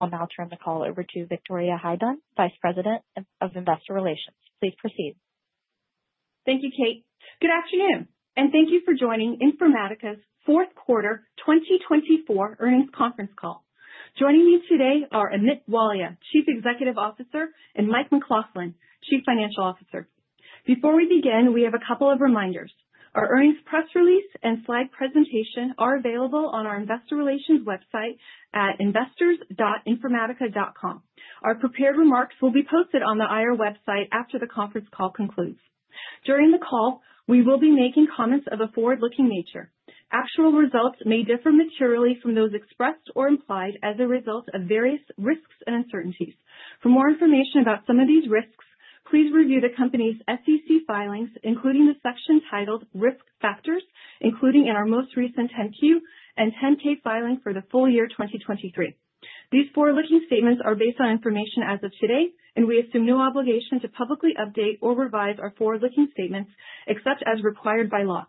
I'll now turn the call over to Victoria Hyde-Dunn, Vice President of Investor Relations. Please proceed. Thank you, Kate. Good afternoon, and thank you for joining Informatica's Q4 2024 Earnings Conference Call. Joining me today are Amit Walia, Chief Executive Officer, and Mike McLaughlin, Chief Financial Officer. Before we begin, we have a couple of reminders. Our earnings press release and slide presentation are available on our Investor Relations website at investors.informatica.com. Our prepared remarks will be posted on the IR website after the conference call concludes. During the call, we will be making comments of a forward-looking nature. Actual results may differ materially from those expressed or implied as a result of various risks and uncertainties. For more information about some of these risks, please review the company's SEC filings, including the section titled Risk Factors in our most recent 10-Q and 10-K filing for the full year 2023. These forward-looking statements are based on information as of today, and we assume no obligation to publicly update or revise our forward-looking statements except as required by law.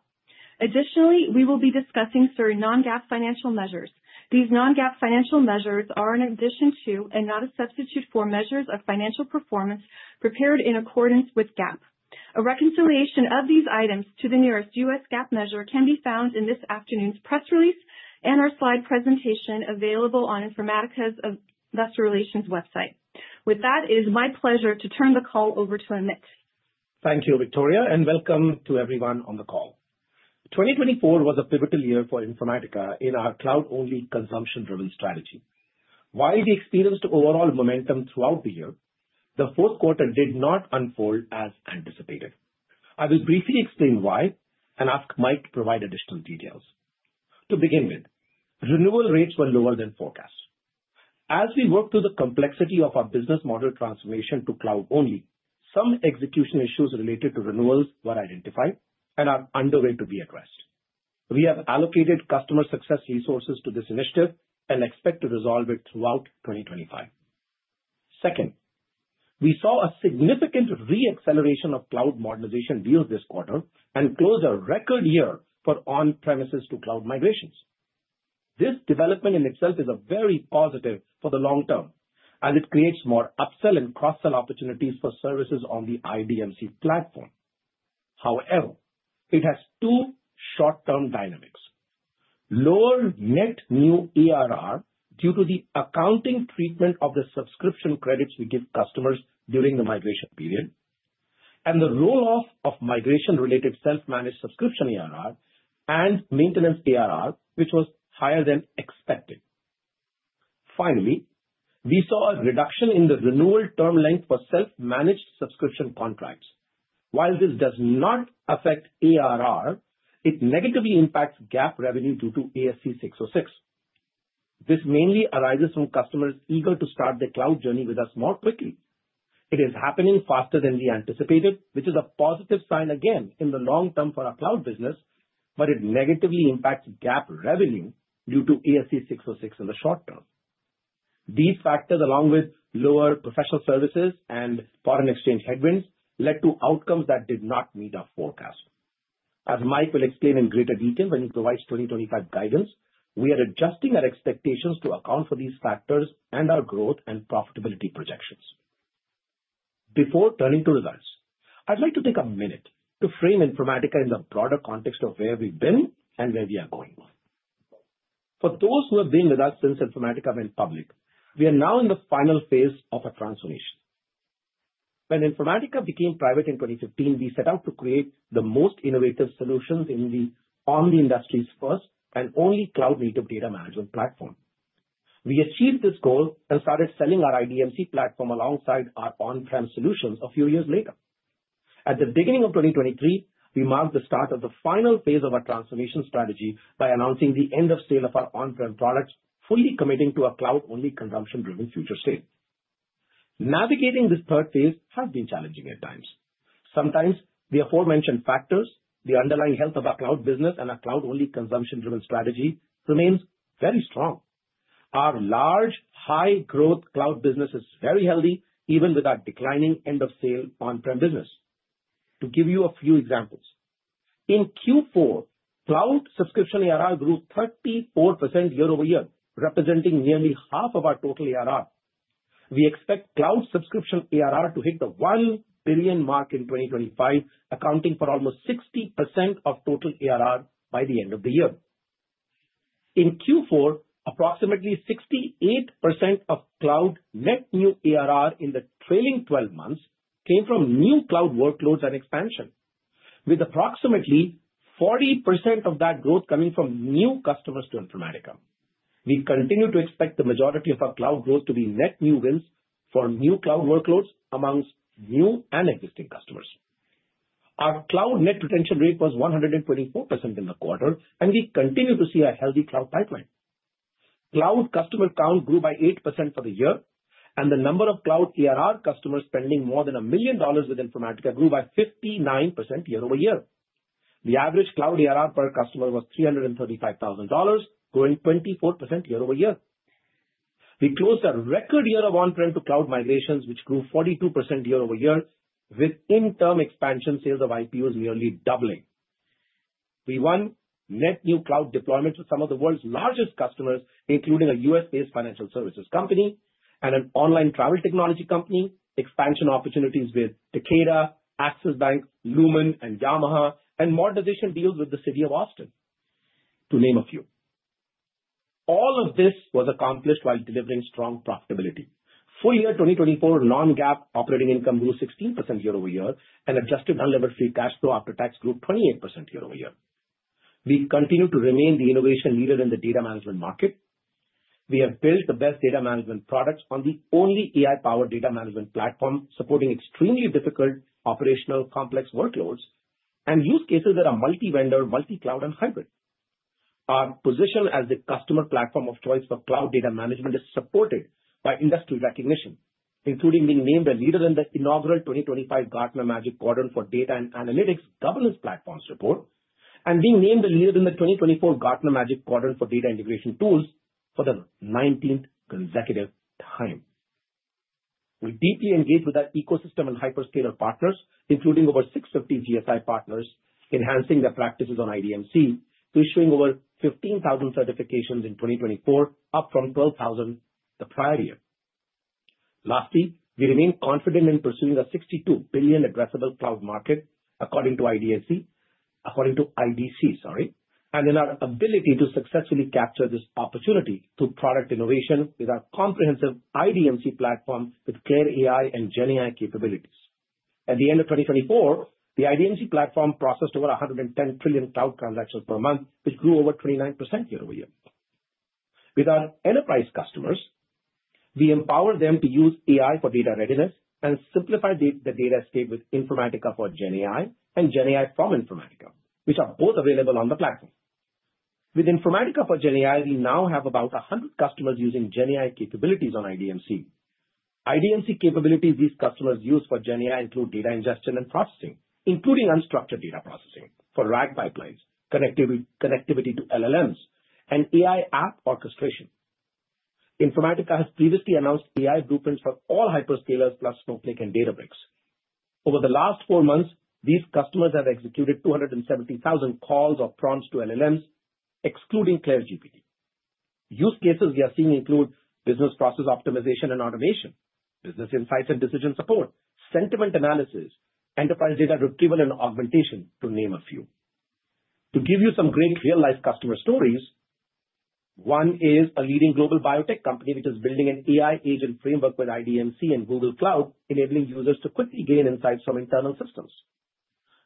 Additionally, we will be discussing certain non-GAAP financial measures. These non-GAAP financial measures are an addition to and not a substitute for measures of financial performance prepared in accordance with GAAP. A reconciliation of these items to the nearest U.S. GAAP measure can be found in this afternoon's press release and our slide presentation available on Informatica's Investor Relations website. With that, it is my pleasure to turn the call over to Amit. Thank you, Victoria, and welcome to everyone on the call. 2024 was a pivotal year for Informatica in our cloud-only consumption-driven strategy. While we experienced overall momentum throughout the year, the Q4 did not unfold as anticipated. I will briefly explain why and ask Mike to provide additional details. To begin with, renewal rates were lower than forecast. As we work through the complexity of our business model transformation to cloud-only, some execution issues related to renewals were identified and are underway to be addressed. We have allocated customer success resources to this initiative and expect to resolve it throughout 2025. Second, we saw a significant re-acceleration of cloud modernization deals this quarter and closed a record year for on-premises to cloud migrations. This development in itself is very positive for the long term as it creates more upsell and cross-sell opportunities for services on the IDMC platform. However, it has two short-term dynamics: lower net new ARR due to the accounting treatment of the subscription credits we give customers during the migration period, and the roll-off of migration-related self-managed subscription ARR and maintenance ARR, which was higher than expected. Finally, we saw a reduction in the renewal term length for self-managed subscription contracts. While this does not affect ARR, it negatively impacts GAAP revenue due to ASC 606. This mainly arises from customers eager to start the cloud journey with us more quickly. It is happening faster than we anticipated, which is a positive sign again in the long term for our cloud business, but it negatively impacts GAAP revenue due to ASC 606 in the short term. These factors, along with lower professional services and foreign exchange headwinds, led to outcomes that did not meet our forecast. As Mike will explain in greater detail when he provides 2025 guidance, we are adjusting our expectations to account for these factors and our growth and profitability projections. Before turning to results, I'd like to take a minute to frame Informatica in the broader context of where we've been and where we are going. For those who have been with us since Informatica went public, we are now in the final phase of a transformation. When Informatica became private in 2015, we set out to create the most innovative solutions in the industry's first and only cloud-native data management platform. We achieved this goal and started selling our IDMC platform alongside our on-prem solutions a few years later. At the beginning of 2023, we marked the start of the final phase of our transformation strategy by announcing the end of sale of our on-prem products, fully committing to a cloud-only consumption-driven future state. Navigating this third phase has been challenging at times. Sometimes, the aforementioned factors, the underlying health of our cloud business and our cloud-only consumption-driven strategy remain very strong. Our large, high-growth cloud business is very healthy even with our declining end-of-sale on-prem business. To give you a few examples, in Q4, cloud subscription ARR grew 34% year over year, representing nearly half of our total ARR. We expect cloud subscription ARR to hit the $1 billion mark in 2025, accounting for almost 60% of total ARR by the end of the year. In Q4, approximately 68% of cloud net new ARR in the trailing 12 months came from new cloud workloads and expansion, with approximately 40% of that growth coming from new customers to Informatica. We continue to expect the majority of our cloud growth to be net new wins for new cloud workloads amongst new and existing customers. Our cloud net retention rate was 124% in the quarter, and we continue to see a healthy cloud pipeline. Cloud customer count grew by 8% for the year, and the number of cloud ARR customers spending more than $1 million with Informatica grew by 59% year over year. The average cloud ARR per customer was $335,000, growing 24% year-over-year. We closed a record year of on-prem to cloud migrations, which grew 42% year over year, with in-term expansion sales of IPUs nearly doubling. We won net new cloud deployments with some of the world's largest customers, including a U.S.-based financial services company and an online travel technology company, expansion opportunities with Takeda, Axis Bank, Lumen, and Yamaha, and modernization deals with the City of Austin, to name a few. All of this was accomplished while delivering strong profitability. Full year 2024 non-GAAP operating income grew 16% year over year, and adjusted non-levered free cash flow after tax grew 28% year over year. We continue to remain the innovation leader in the data management market. We have built the best data management products on the only AI-powered data management platform, supporting extremely difficult operational complex workloads and use cases that are multi-vendor, multi-cloud, and hybrid. Our position as the customer platform of choice for cloud data management is supported by industry recognition, including being named a leader in the inaugural 2025 Gartner Magic Quadrant for Data and Analytics Governance Platforms Report and being named a leader in the 2024 Gartner Magic Quadrant for Data Integration Tools for the 19th consecutive time. We deeply engage with our ecosystem and hyperscale partners, including over 650 GSI partners, enhancing their practices on IDMC, issuing over 15,000 certifications in 2024, up from 12,000 the prior year. Lastly, we remain confident in pursuing a $62 billion addressable cloud market, according to IDC, and in our ability to successfully capture this opportunity through product innovation with our comprehensive IDMC platform with CLAIRE AI and GenAI capabilities. At the end of 2024, the IDMC platform processed over 110 trillion cloud transactions per month, which grew over 29% year-over-year. With our enterprise customers, we empower them to use AI for data readiness and simplify the data estate with Informatica for GenAI and GenAI from Informatica, which are both available on the platform. With Informatica for GenAI, we now have about 100 customers using GenAI capabilities on IDMC. IDMC capabilities these customers use for GenAI include data ingestion and processing, including unstructured data processing for RAG pipelines, connectivity to LLMs, and AI app orchestration. Informatica has previously announced AI blueprints for all hyperscalers plus Snowflake and Databricks. Over the last four months, these customers have executed 270,000 calls or prompts to LLMs, excluding CLAIRE GPT. Use cases we are seeing include business process optimization and automation, business insights and decision support, sentiment analysis, enterprise data retrieval and augmentation, to name a few. To give you some great real-life customer stories, one is a leading global biotech company which is building an AI agent framework with IDMC and Google Cloud, enabling users to quickly gain insights from internal systems.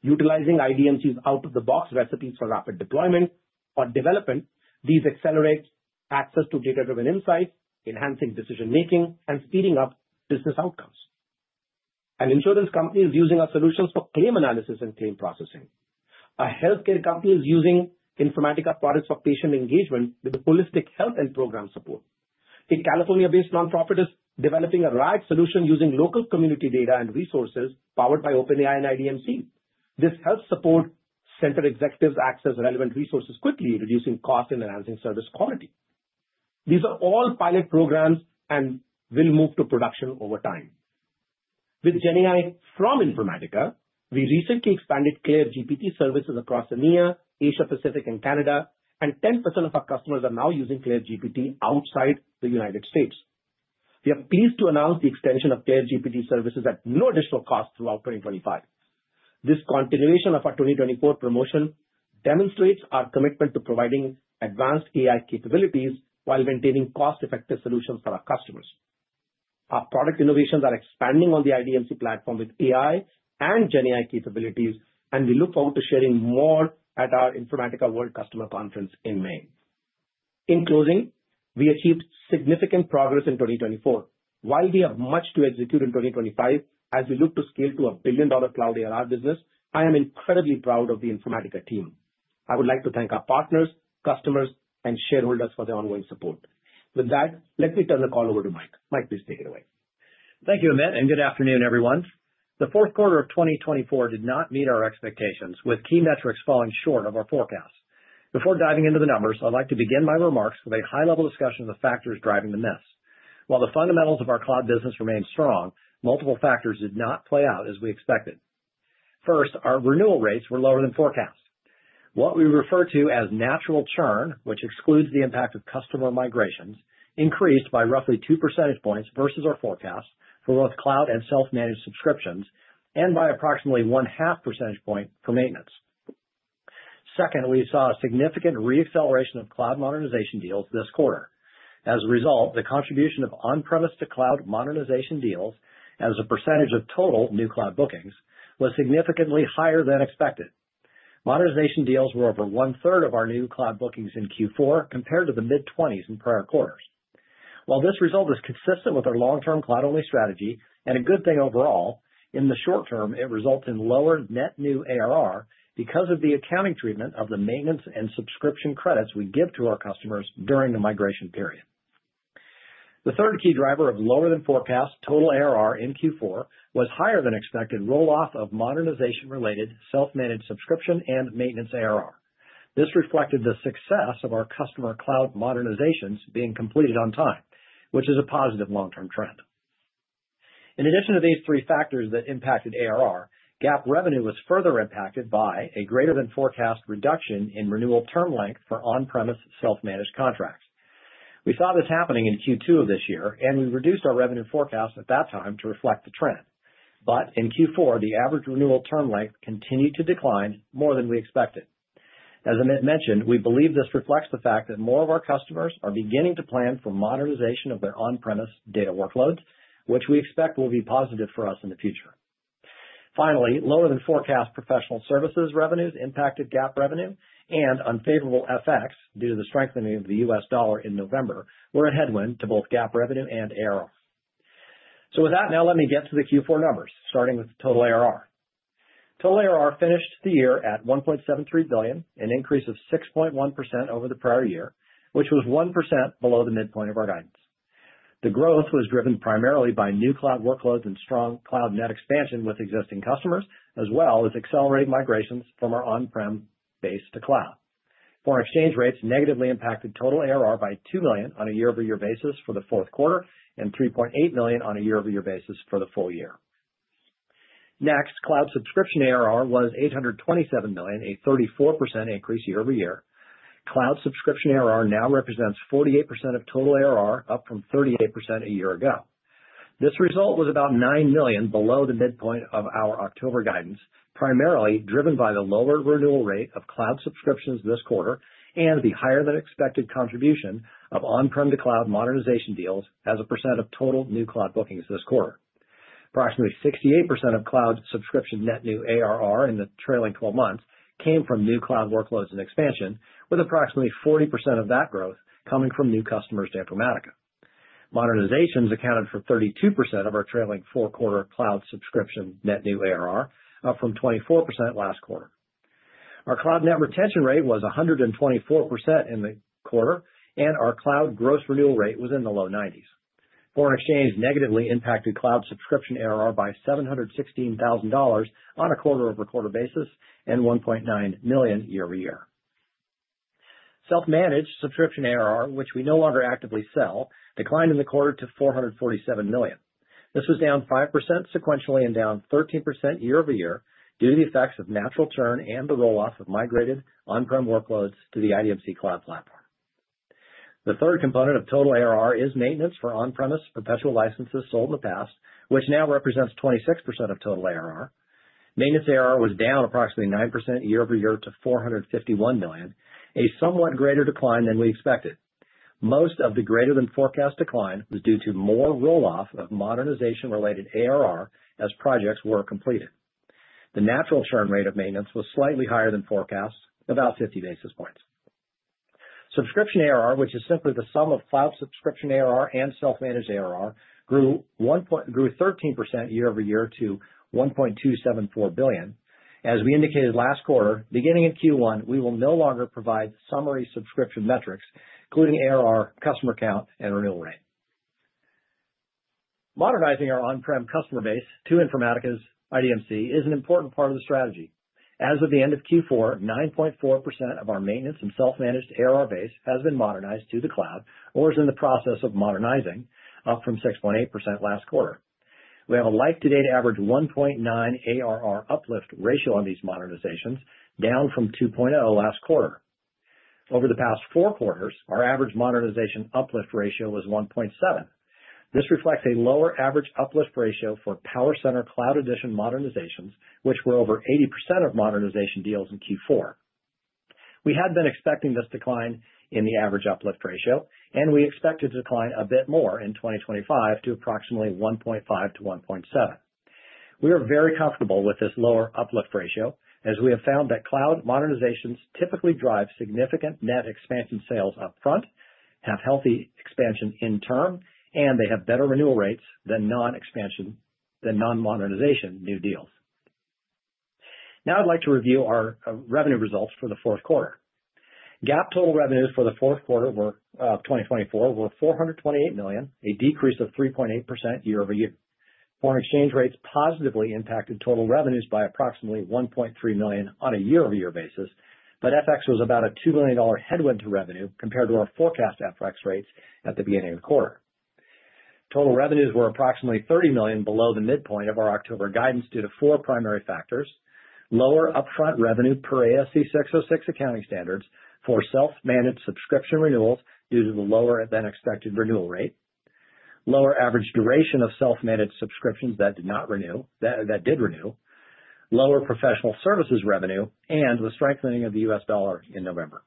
Utilizing IDMC's out-of-the-box recipes for rapid deployment or development, these accelerate access to data-driven insights, enhancing decision-making and speeding up business outcomes. An insurance company is using our solutions for claim analysis and claim processing. A healthcare company is using Informatica products for patient engagement with holistic health and program support. A California-based nonprofit is developing a RAG solution using local community data and resources powered by OpenAI and IDMC. This helps support center executives access relevant resources quickly, reducing costs and enhancing service quality. These are all pilot programs and will move to production over time. With GenAI from Informatica, we recently expanded CLAIRE GPT services across EMEA, Asia-Pacific, and Canada, and 10% of our customers are now using CLAIRE GPT outside the United States. We are pleased to announce the extension of CLAIRE GPT services at no additional cost throughout 2025. This continuation of our 2024 promotion demonstrates our commitment to providing advanced AI capabilities while maintaining cost-effective solutions for our customers. Our product innovations are expanding on the IDMC platform with AI and GenAI capabilities, and we look forward to sharing more at our Informatica World Customer Conference in May. In closing, we achieved significant progress in 2024. While we have much to execute in 2025 as we look to scale to a billion-dollar cloud ARR business, I am incredibly proud of the Informatica team. I would like to thank our partners, customers, and shareholders for their ongoing support. With that, let me turn the call over to Mike. Mike, please take it away. Thank you, Amit, and good afternoon, everyone. The Q4 of 2024 did not meet our expectations, with key metrics falling short of our forecast. Before diving into the numbers, I'd like to begin my remarks with a high-level discussion of the factors driving the miss. While the fundamentals of our cloud business remained strong, multiple factors did not play out as we expected. First, our renewal rates were lower than forecast. What we refer to as natural churn, which excludes the impact of customer migrations, increased by roughly two percentage points versus our forecast for both cloud and self-managed subscriptions, and by approximately one-half percentage point for maintenance. Second, we saw a significant re-acceleration of cloud modernization deals this quarter. As a result, the contribution of on-premise to cloud modernization deals as a percentage of total new cloud bookings was significantly higher than expected. Modernization deals were over one-third of our new cloud bookings in Q4 compared to the mid-20s in prior quarters. While this result is consistent with our long-term cloud-only strategy and a good thing overall, in the short term, it results in lower net new ARR because of the accounting treatment of the maintenance and subscription credits we give to our customers during the migration period. The third key driver of lower than forecast total ARR in Q4 was higher than expected roll-off of modernization-related self-managed subscription and maintenance ARR. This reflected the success of our customer cloud modernizations being completed on time, which is a positive long-term trend. In addition to these three factors that impacted ARR, GAAP revenue was further impacted by a greater than forecast reduction in renewal term length for on-premises self-managed contracts. We saw this happening in Q2 of this year, and we reduced our revenue forecast at that time to reflect the trend. But in Q4, the average renewal term length continued to decline more than we expected. As Amit mentioned, we believe this reflects the fact that more of our customers are beginning to plan for modernization of their on-premises data workloads, which we expect will be positive for us in the future. Finally, lower than forecast professional services revenues impacted GAAP revenue, and unfavorable effects due to the strengthening of the U.S. dollar in November were a headwind to both GAAP revenue and ARR. So with that, now let me get to the Q4 numbers, starting with total ARR. Total ARR finished the year at $1.73 billion, an increase of 6.1% over the prior year, which was 1% below the midpoint of our guidance. The growth was driven primarily by new cloud workloads and strong cloud net expansion with existing customers, as well as accelerated migrations from our on-prem base to cloud. Foreign exchange rates negatively impacted total ARR by $2 million on a year-over-year basis for the Q4 and $3.8 million on a year-over-year basis for the full year. Next, cloud subscription ARR was $827 million, a 34% increase year-over-year. Cloud subscription ARR now represents 48% of total ARR, up from 38% a year ago. This result was about $9 million below the midpoint of our October guidance, primarily driven by the lower renewal rate of cloud subscriptions this quarter and the higher-than-expected contribution of on-prem to cloud modernization deals as a percent of total new cloud bookings this quarter. Approximately 68% of cloud subscription net new ARR in the trailing 12 months came from new cloud workloads and expansion, with approximately 40% of that growth coming from new customers to Informatica. Modernizations accounted for 32% of our trailing four-quarter cloud subscription net new ARR, up from 24% last quarter. Our cloud net retention rate was 124% in the quarter, and our cloud gross renewal rate was in the low 90s. Foreign exchange negatively impacted cloud subscription ARR by $716,000 on a quarter-over-quarter basis and $1.9 million year-over-year. Self-managed subscription ARR, which we no longer actively sell, declined in the quarter to $447 million. This was down 5% sequentially and down 13% year-over-year due to the effects of natural churn and the roll-off of migrated on-prem workloads to the IDMC cloud platform. The third component of total ARR is maintenance for on-premises perpetual licenses sold in the past, which now represents 26% of total ARR. Maintenance ARR was down approximately 9% year-over-year to $451 million, a somewhat greater decline than we expected. Most of the greater-than-forecast decline was due to more roll-off of modernization-related ARR as projects were completed. The natural churn rate of maintenance was slightly higher than forecast, about 50 basis points. Subscription ARR, which is simply the sum of cloud subscription ARR and self-managed ARR, grew 13% year-over-year to $1.274 billion. As we indicated last quarter, beginning in Q1, we will no longer provide summary subscription metrics, including ARR, customer count, and renewal rate. Modernizing our on-prem customer base to Informatica's IDMC is an important part of the strategy. As of the end of Q4, 9.4% of our maintenance and self-managed ARR base has been modernized to the cloud or is in the process of modernizing, up from 6.8% last quarter. We have a life-to-date average 1.9 ARR uplift ratio on these modernizations, down from 2.0 last quarter. Over the past four quarters, our average modernization uplift ratio was 1.7. This reflects a lower average uplift ratio for PowerCenter Cloud Edition modernizations, which were over 80% of modernization deals in Q4. We had been expecting this decline in the average uplift ratio, and we expect it to decline a bit more in 2025 to approximately 1.5 to 1.7. We are very comfortable with this lower uplift ratio, as we have found that cloud modernizations typically drive significant net expansion sales upfront, have healthy expansion in term, and they have better renewal rates than non-expansion, than non-modernization new deals. Now I'd like to review our revenue results for the Q4. GAAP total revenues for the Q4 of 2024 were $428 million, a decrease of 3.8% year-over-year. Foreign exchange rates positively impacted total revenues by approximately $1.3 million on a year-over-year basis, but FX was about a $2 million headwind to revenue compared to our forecast FX rates at the beginning of the quarter. Total revenues were approximately $30 million below the midpoint of our October guidance due to four primary factors: lower upfront revenue per ASC 606 accounting standards for self-managed subscription renewals due to the lower-than-expected renewal rate, lower average duration of self-managed subscriptions that did not renew, that did renew, lower professional services revenue, and the strengthening of the U.S. dollar in November.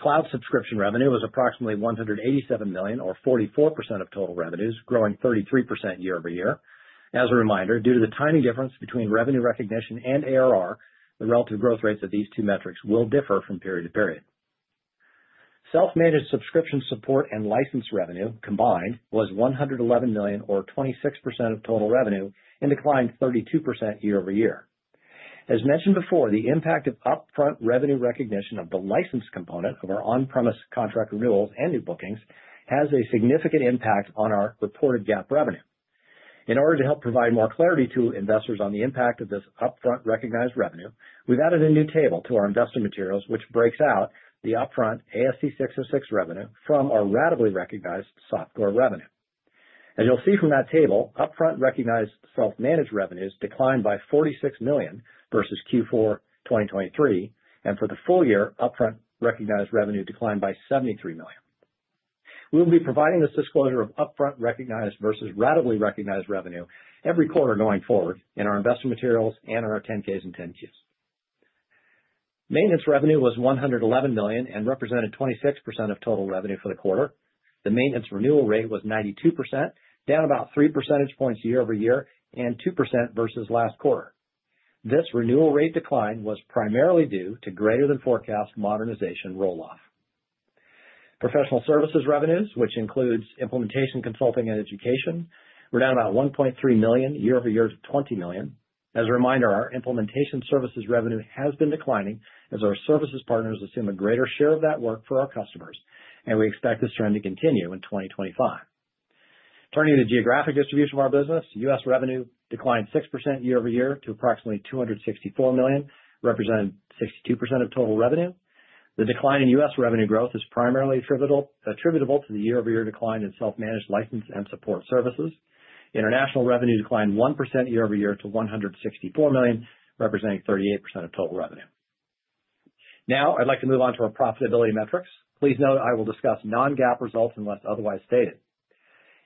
Cloud subscription revenue was approximately $187 million, or 44% of total revenues, growing 33% year-over-year. As a reminder, due to the tiny difference between revenue recognition and ARR, the relative growth rates of these two metrics will differ from period to period. Self-managed subscription support and license revenue combined was $111 million, or 26% of total revenue, and declined 32% year-over-year. As mentioned before, the impact of upfront revenue recognition of the license component of our on-premises contract renewals and new bookings has a significant impact on our reported GAAP revenue. In order to help provide more clarity to investors on the impact of this upfront recognized revenue, we've added a new table to our investor materials, which breaks out the upfront ASC 606 revenue from our ratably recognized subscription revenue. As you'll see from that table, upfront recognized self-managed revenues declined by $46 million versus Q4 2023, and for the full year, upfront recognized revenue declined by $73 million. We will be providing this disclosure of upfront recognized versus ratably recognized revenue every quarter going forward in our investor materials and in our 10-Ks and 10-Qs. Maintenance revenue was $111 million and represented 26% of total revenue for the quarter. The maintenance renewal rate was 92%, down about 3 percentage points year-over-year and 2% versus last quarter. This renewal rate decline was primarily due to greater-than-forecast modernization roll-off. Professional services revenues, which includes implementation, consulting, and education, were down about $1.3 million, year-over-year to $20 million. As a reminder, our implementation services revenue has been declining as our services partners assume a greater share of that work for our customers, and we expect this trend to continue in 2025. Turning to the geographic distribution of our business, U.S. revenue declined 6% year-over-year to approximately $264 million, representing 62% of total revenue. The decline in U.S. Revenue growth is primarily attributable to the year-over-year decline in self-managed license and support services. International revenue declined 1% year-over-year to $164 million, representing 38% of total revenue. Now I'd like to move on to our profitability metrics. Please note I will discuss non-GAAP results unless otherwise stated.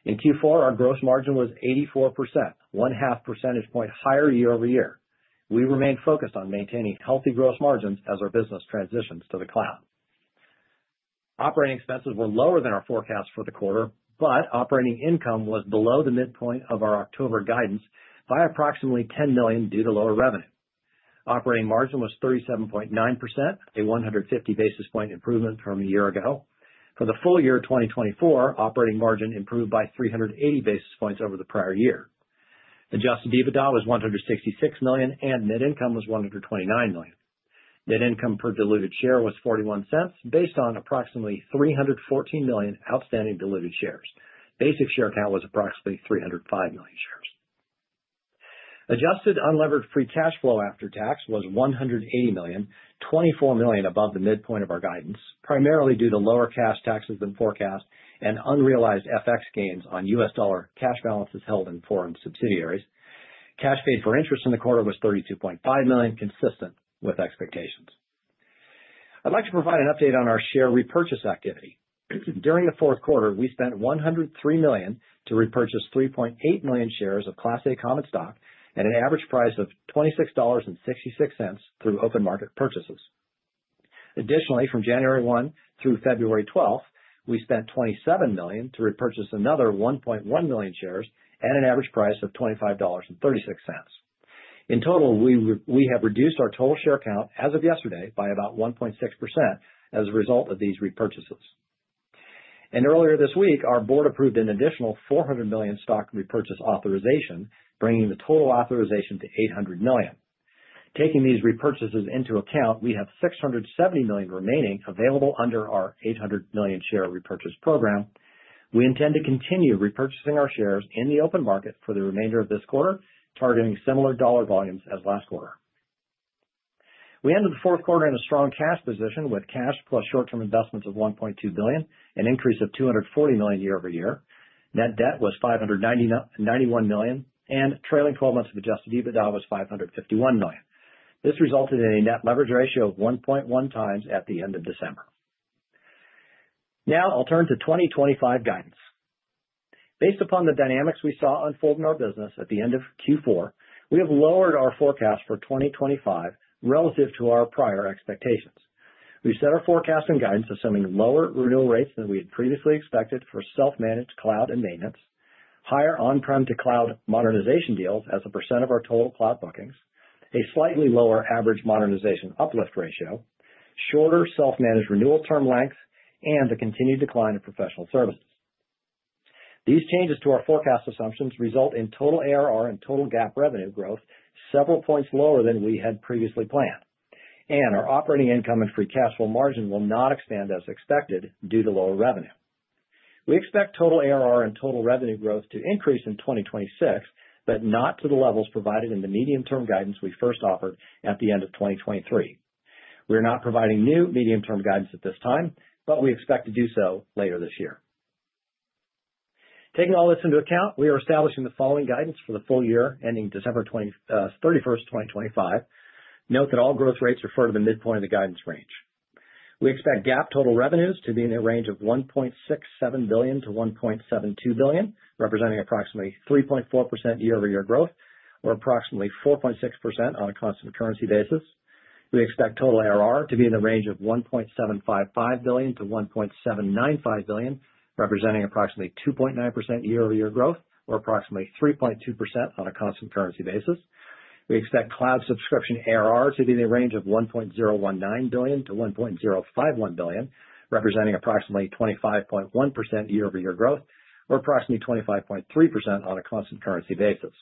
In Q4, our gross margin was 84%, one-half percentage point higher year-over-year. We remain focused on maintaining healthy gross margins as our business transitions to the cloud. Operating expenses were lower than our forecast for the quarter, but operating income was below the midpoint of our October guidance by approximately $10 million due to lower revenue. Operating margin was 37.9%, a 150 basis point improvement from a year ago. For the full year 2024, operating margin improved by 380 basis points over the prior year. Adjusted EBITDA was $166 million, and net income was $129 million. Net income per diluted share was $0.41, based on approximately 314 million outstanding diluted shares. Basic share count was approximately 305 million shares. Adjusted unlevered free cash flow after tax was $180 million, $24 million above the midpoint of our guidance, primarily due to lower cash taxes than forecast and unrealized FX gains on U.S. dollar cash balances held in foreign subsidiaries. Cash paid for interest in the quarter was $32.5 million, consistent with expectations. I'd like to provide an update on our share repurchase activity. During the Q4, we spent $103 million to repurchase 3.8 million shares of Class A Common Stock at an average price of $26.66 through open market purchases. Additionally, from 1 January through 12 February, we spent $27 million to repurchase another 1.1 million shares at an average price of $25.36. In total, we have reduced our total share count as of yesterday by about 1.6% as a result of these repurchases, and earlier this week, our board approved an additional $400 million stock repurchase authorization, bringing the total authorization to $800 million. Taking these repurchases into account, we have $670 million remaining available under our $800 million share repurchase program. We intend to continue repurchasing our shares in the open market for the remainder of this quarter, targeting similar dollar volumes as last quarter. We ended the Q4 in a strong cash position with cash plus short-term investments of $1.2 billion, an increase of $240 million year-over-year. Net debt was $591 million, and trailing 12 months of adjusted EBITDA was $551 million. This resulted in a net leverage ratio of 1.1x at the end of December. Now I'll turn to 2025 guidance. Based upon the dynamics we saw unfold in our business at the end of Q4, we have lowered our forecast for 2025 relative to our prior expectations. We set our forecast and guidance assuming lower renewal rates than we had previously expected for self-managed cloud and maintenance, higher on-prem to cloud modernization deals as a percent of our total cloud bookings, a slightly lower average modernization uplift ratio, shorter self-managed renewal term length, and the continued decline of professional services. These changes to our forecast assumptions result in total ARR and total GAAP revenue growth several points lower than we had previously planned, and our operating income and free cash flow margin will not expand as expected due to lower revenue. We expect total ARR and total revenue growth to increase in 2026, but not to the levels provided in the medium-term guidance we first offered at the end of 2023. We are not providing new medium-term guidance at this time, but we expect to do so later this year. Taking all this into account, we are establishing the following guidance for the full year ending 31 December 2025. Note that all growth rates refer to the midpoint of the guidance range. We expect GAAP total revenues to be in the range of $1.67 to 1.72 billion, representing approximately 3.4% year-over-year growth, or approximately 4.6% on a constant currency basis. We expect total ARR to be in the range of $1.755 to 1.795 billion, representing approximately 2.9% year-over-year growth, or approximately 3.2% on a constant currency basis. We expect cloud subscription ARR to be in the range of $1.019 to 1.051 billion, representing approximately 25.1% year-over-year growth, or approximately 25.3% on a constant currency basis.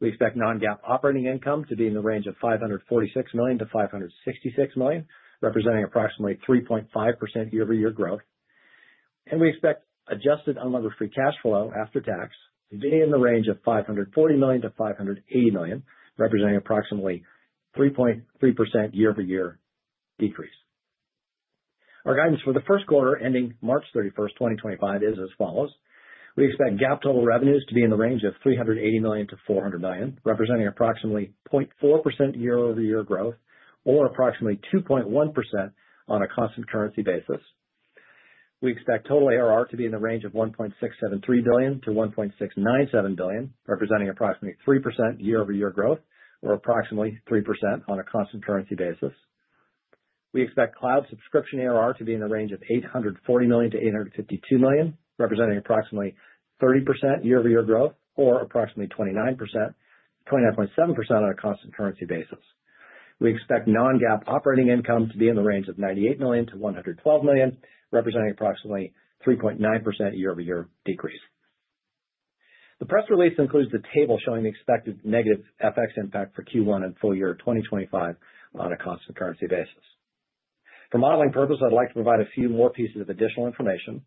We expect non-GAAP operating income to be in the range of $546 to 566 million, representing approximately 3.5% year-over-year growth. We expect adjusted unlevered free cash flow after tax to be in the range of $540 to 580 million, representing approximately 3.3% year-over-year decrease. Our guidance for the Q1 ending 31 March 2025, is as follows. We expect GAAP total revenues to be in the range of $380 to 400 million, representing approximately 0.4% year-over-year growth, or approximately 2.1% on a constant currency basis. We expect total ARR to be in the range of $1.673 to 1.697 billion, representing approximately 3% year-over-year growth, or approximately 3% on a constant currency basis. We expect cloud subscription ARR to be in the range of $840 to 852 million, representing approximately 30% year-over-year growth, or approximately 29.7% on a constant currency basis. We expect non-GAAP operating income to be in the range of $98 to 112 million, representing approximately 3.9% year-over-year decrease. The press release includes the table showing the expected negative FX impact for Q1 and full year 2025 on a constant currency basis. For modeling purposes, I'd like to provide a few more pieces of additional information.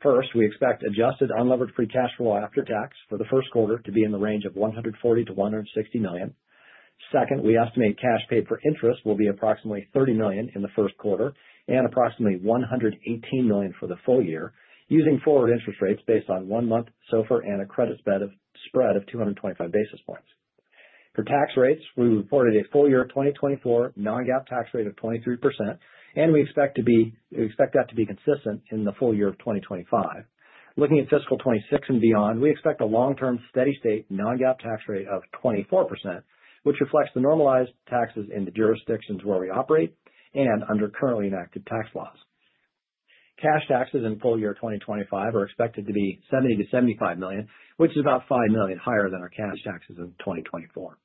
First, we expect adjusted unlevered free cash flow after tax for the Q1 to be in the range of $140 to 160 million. Second, we estimate cash paid for interest will be approximately $30 million in the Q1 and approximately $118 million for the full year, using forward interest rates based on one-month SOFR and a credit spread of 225 basis points. For tax rates, we reported a full year 2024 non-GAAP tax rate of 23%, and we expect that to be consistent in the full year of 2025. Looking at fiscal 2026 and beyond, we expect a long-term steady-state non-GAAP tax rate of 24%, which reflects the normalized taxes in the jurisdictions where we operate and under currently enacted tax laws. Cash taxes in full year 2025 are expected to be $70 to 75 million, which is about $5 million higher than our cash taxes in 2024.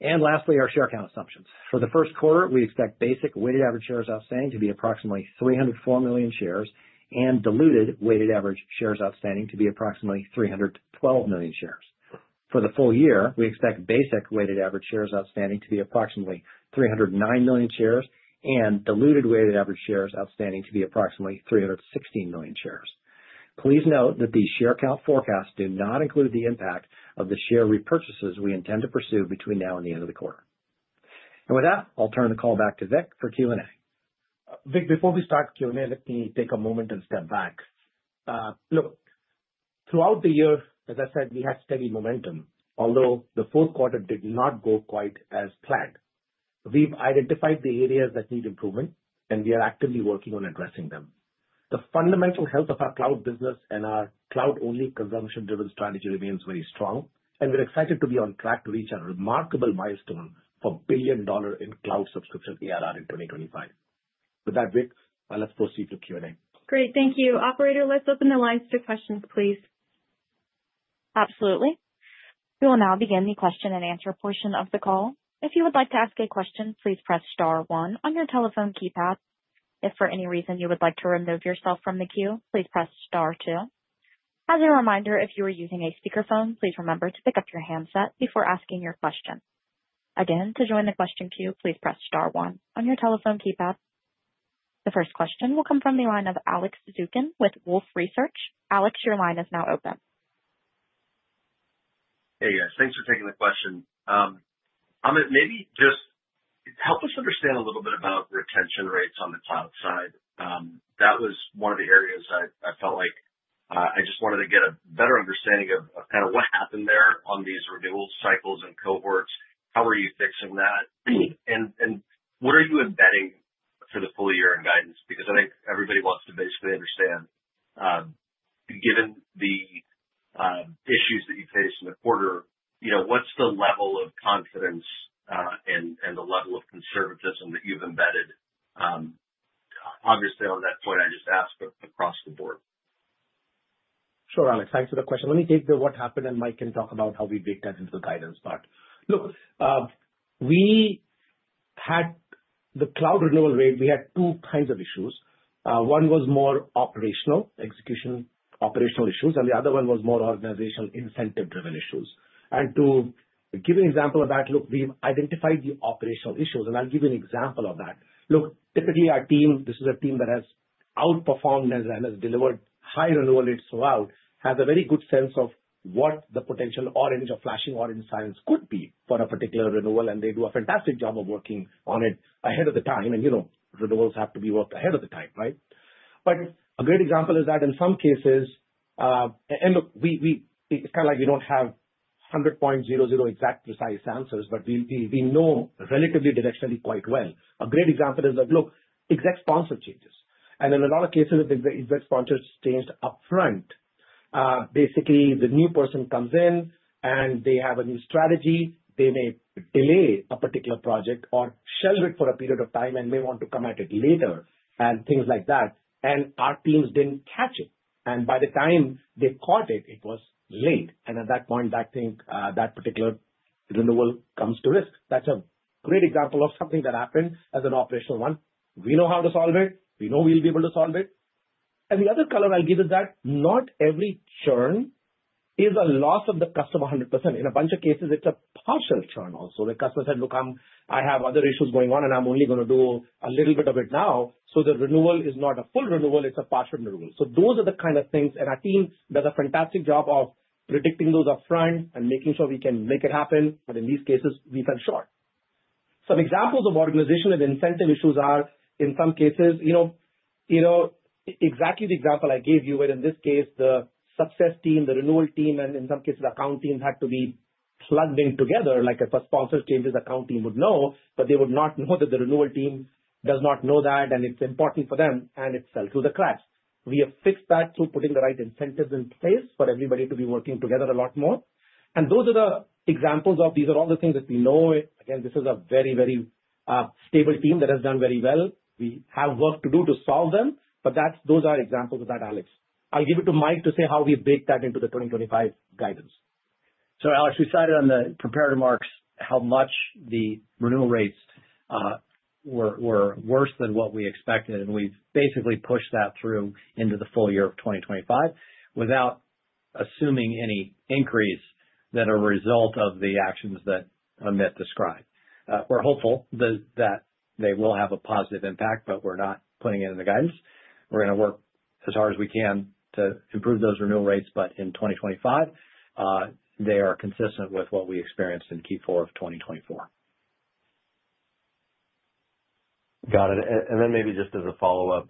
And lastly, our share count assumptions. For the Q1, we expect basic weighted average shares outstanding to be approximately 304 million shares and diluted weighted average shares outstanding to be approximately 312 million shares. For the full year, we expect basic weighted average shares outstanding to be approximately 309 million shares and diluted weighted average shares outstanding to be approximately 316 million shares. Please note that these share count forecasts do not include the impact of the share repurchases we intend to pursue between now and the end of the quarter. With that, I'll turn the call back to Vic for Q&A. Vic, before we start Q&A, let me take a moment and step back. Look, throughout the year, as I said, we had steady momentum, although the Q4 did not go quite as planned. We've identified the areas that need improvement, and we are actively working on addressing them. The fundamental health of our cloud business and our cloud-only consumption-driven strategy remains very strong, and we're excited to be on track to reach a remarkable milestone for billion-dollar in cloud subscription ARR in 2025. With that, Vic, let's proceed to Q&A. Great. Thank you. Operator, let's open the lines to questions, please. Absolutely. We will now begin the question and answer portion of the call. If you would like to ask a question, please press star one on your telephone keypad. If for any reason you would like to remove yourself from the queue, please press star two. As a reminder, if you are using a speakerphone, please remember to pick up your handset before asking your question. Again, to join the question queue, please press star one on your telephone keypad. The first question will come from the line of Alex Zukin with Wolfe Research. Alex, your line is now open. Hey, guys. Thanks for taking the question. Maybe just help us understand a little bit about retention rates on the cloud side. That was one of the areas I felt like I just wanted to get a better understanding of kind of what happened there on these renewal cycles and cohorts. How are you fixing that? And what are you embedding for the full year in guidance? Because I think everybody wants to basically understand, given the issues that you faced in the quarter, what's the level of confidence and the level of conservatism that you've embedded? Obviously, on that point, I just ask across the board. Sure, Alex. Thanks for the question. Let me take what happened and Mike can talk about how we baked that into the guidance. But look, the cloud renewal rate, we had two kinds of issues. One was more operational execution, operational issues, and the other one was more organizational incentive-driven issues. And to give an example of that, look, we've identified the operational issues, and I'll give you an example of that. Look, typically, our team, this is a team that has outperformed and has delivered high renewal rates throughout, has a very good sense of what the potential orange or flashing orange signs could be for a particular renewal, and they do a fantastic job of working on it ahead of the time. And renewals have to be worked ahead of the time, right? But a great example is that in some cases, and look, it's kind of like we don't have 100% exact precise answers, but we know relatively directionally quite well. A great example is that, look, exec sponsor changes. And in a lot of cases, the exec sponsor changed upfront. Basically, the new person comes in, and they have a new strategy. They may delay a particular project or shelve it for a period of time and may want to come at it later and things like that. And our teams didn't catch it. And by the time they caught it, it was late. And at that point, I think that particular renewal comes to risk. That's a great example of something that happened as an operational one. We know how to solve it. We know we'll be able to solve it. And the other color I'll give is that not every churn is a loss of the customer 100%. In a bunch of cases, it's a partial churn also. The customer said, "Look, I have other issues going on, and I'm only going to do a little bit of it now." So the renewal is not a full renewal. It's a partial renewal. So those are the kind of things. And our team does a fantastic job of predicting those upfront and making sure we can make it happen. But in these cases, we fell short. Some examples of organization and incentive issues are, in some cases, exactly the example I gave you, where in this case, the success team, the renewal team, and in some cases, account teams had to be plugged in together. Like if a sponsor changes, the account team would know, but they would not know that the renewal team does not know that, and it's important for them, and it fell through the cracks. We have fixed that through putting the right incentives in place for everybody to be working together a lot more. And those are the examples of these are all the things that we know. Again, this is a very, very stable team that has done very well. We have work to do to solve them, but those are examples of that, Alex. I'll give it to Mike to say how we baked that into the 2025 guidance. Alex, we cited on the comps how much the renewal rates were worse than what we expected, and we've basically pushed that through into the full year of 2025 without assuming any increase that are a result of the actions that Amit described. We're hopeful that they will have a positive impact, but we're not putting it in the guidance. We're going to work as hard as we can to improve those renewal rates, but in 2025, they are consistent with what we experienced in Q4 of 2024. Got it. And then maybe just as a follow-up,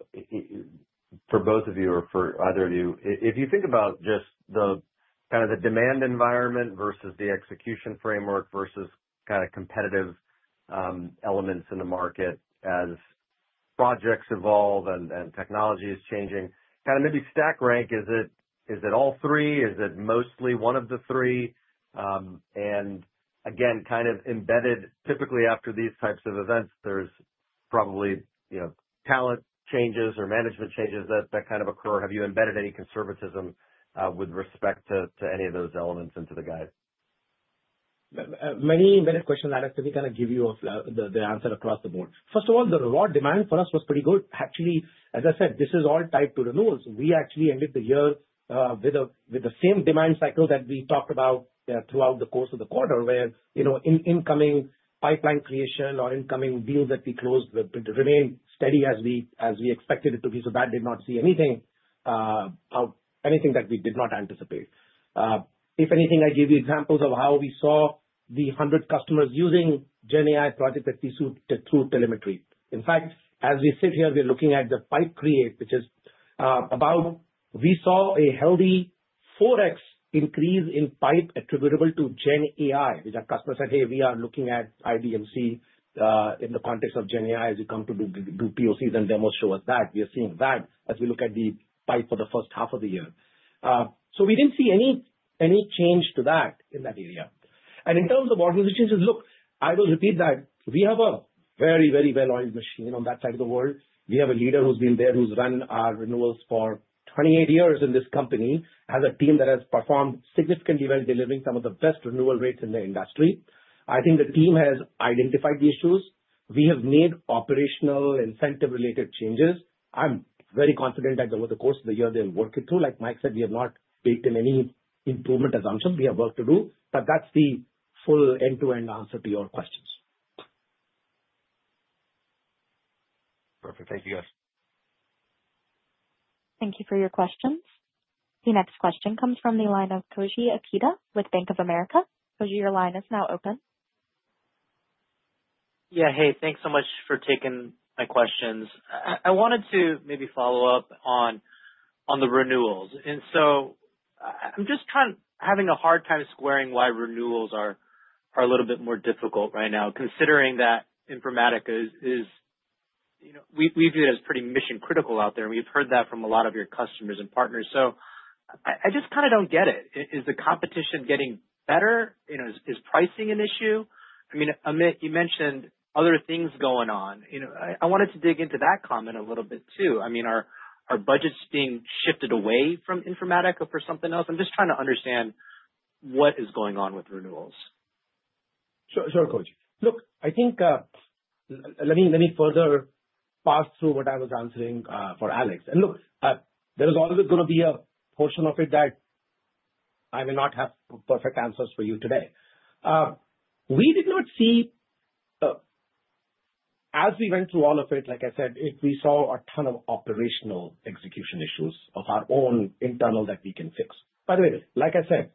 for both of you or for either of you, if you think about just the kind of the demand environment versus the execution framework versus kind of competitive elements in the market as projects evolve and technology is changing, kind of maybe stack rank, is it all three? Is it mostly one of the three? And again, kind of embedded, typically after these types of events, there's probably talent changes or management changes that kind of occur. Have you embedded any conservatism with respect to any of those elements into the guide? Many embedded questions, Alex, that we kind of give you the answer across the board. First of all, the raw demand for us was pretty good. Actually, as I said, this is all tied to renewals. We actually ended the year with the same demand cycle that we talked about throughout the course of the quarter, where incoming pipeline creation or incoming deals that we closed remained steady as we expected it to be. So we did not see anything that we did not anticipate. If anything, I gave you examples of how we saw the 100 customers using GenAI projects that we saw through telemetry. In fact, as we sit here, we're looking at the pipeline creation, which is about. We saw a healthy 4x increase in pipeline attributable to GenAI, which our customers said, "Hey, we are looking at IDMC in the context of GenAI as we come to do POCs and demos show us that." We are seeing that as we look at the pipeline for the first half of the year, so we didn't see any change to that in that area. In terms of organizations, look, I will repeat that we have a very, very well-oiled machine on that side of the world. We have a leader who's been there, who's run our renewals for 28 years in this company, has a team that has performed significantly well, delivering some of the best renewal rates in the industry. I think the team has identified the issues. We have made operational incentive-related changes. I'm very confident that over the course of the year, they'll work it through. Like Mike said, we have not baked in any improvement assumptions. We have work to do, but that's the full end-to-end answer to your questions. Perfect. Thank you, guys. Thank you for your questions. The next question comes from the line of Koji Ikeda with Bank of America. Koji, your line is now open. Yeah. Hey, thanks so much for taking my questions. I wanted to maybe follow up on the renewals. And so I'm just having a hard time squaring why renewals are a little bit more difficult right now, considering that Informatica, we view it as pretty mission-critical out there. And we've heard that from a lot of your customers and partners. So I just kind of don't get it. Is the competition getting better? Is pricing an issue? I mean, Amit, you mentioned other things going on. I wanted to dig into that comment a little bit too. I mean, are budgets being shifted away from Informatica for something else? I'm just trying to understand what is going on with renewals. Sure, Koji. Look, I think let me further pass through what I was answering for Alex, and look, there is always going to be a portion of it that I may not have perfect answers for you today. We did not see, as we went through all of it, like I said, we saw a ton of operational execution issues of our own internal that we can fix. By the way, like I said,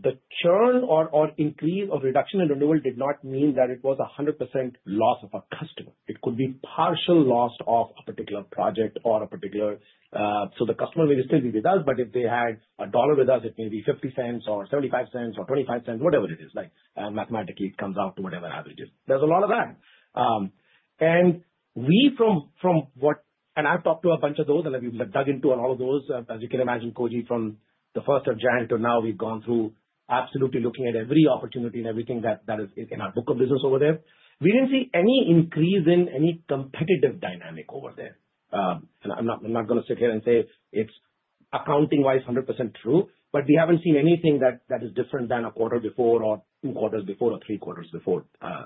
the churn or increase of reduction in renewal did not mean that it was a 100% loss of a customer. It could be partial loss of a particular project or a particular, so the customer may still be with us, but if they had a dollar with us, it may be 50 cents or 75 cents or 25 cents, whatever it is. Like mathematically, it comes out to whatever averages. There's a lot of that. And from what I've talked to a bunch of those, and we've dug into all of those, as you can imagine, Koji, from the first of January to now, we've gone through absolutely looking at every opportunity and everything that is in our book of business over there. We didn't see any increase in any competitive dynamic over there. And I'm not going to sit here and say it's accounting-wise 100% true, but we haven't seen anything that is different than a quarter before or two quarters before or three quarters before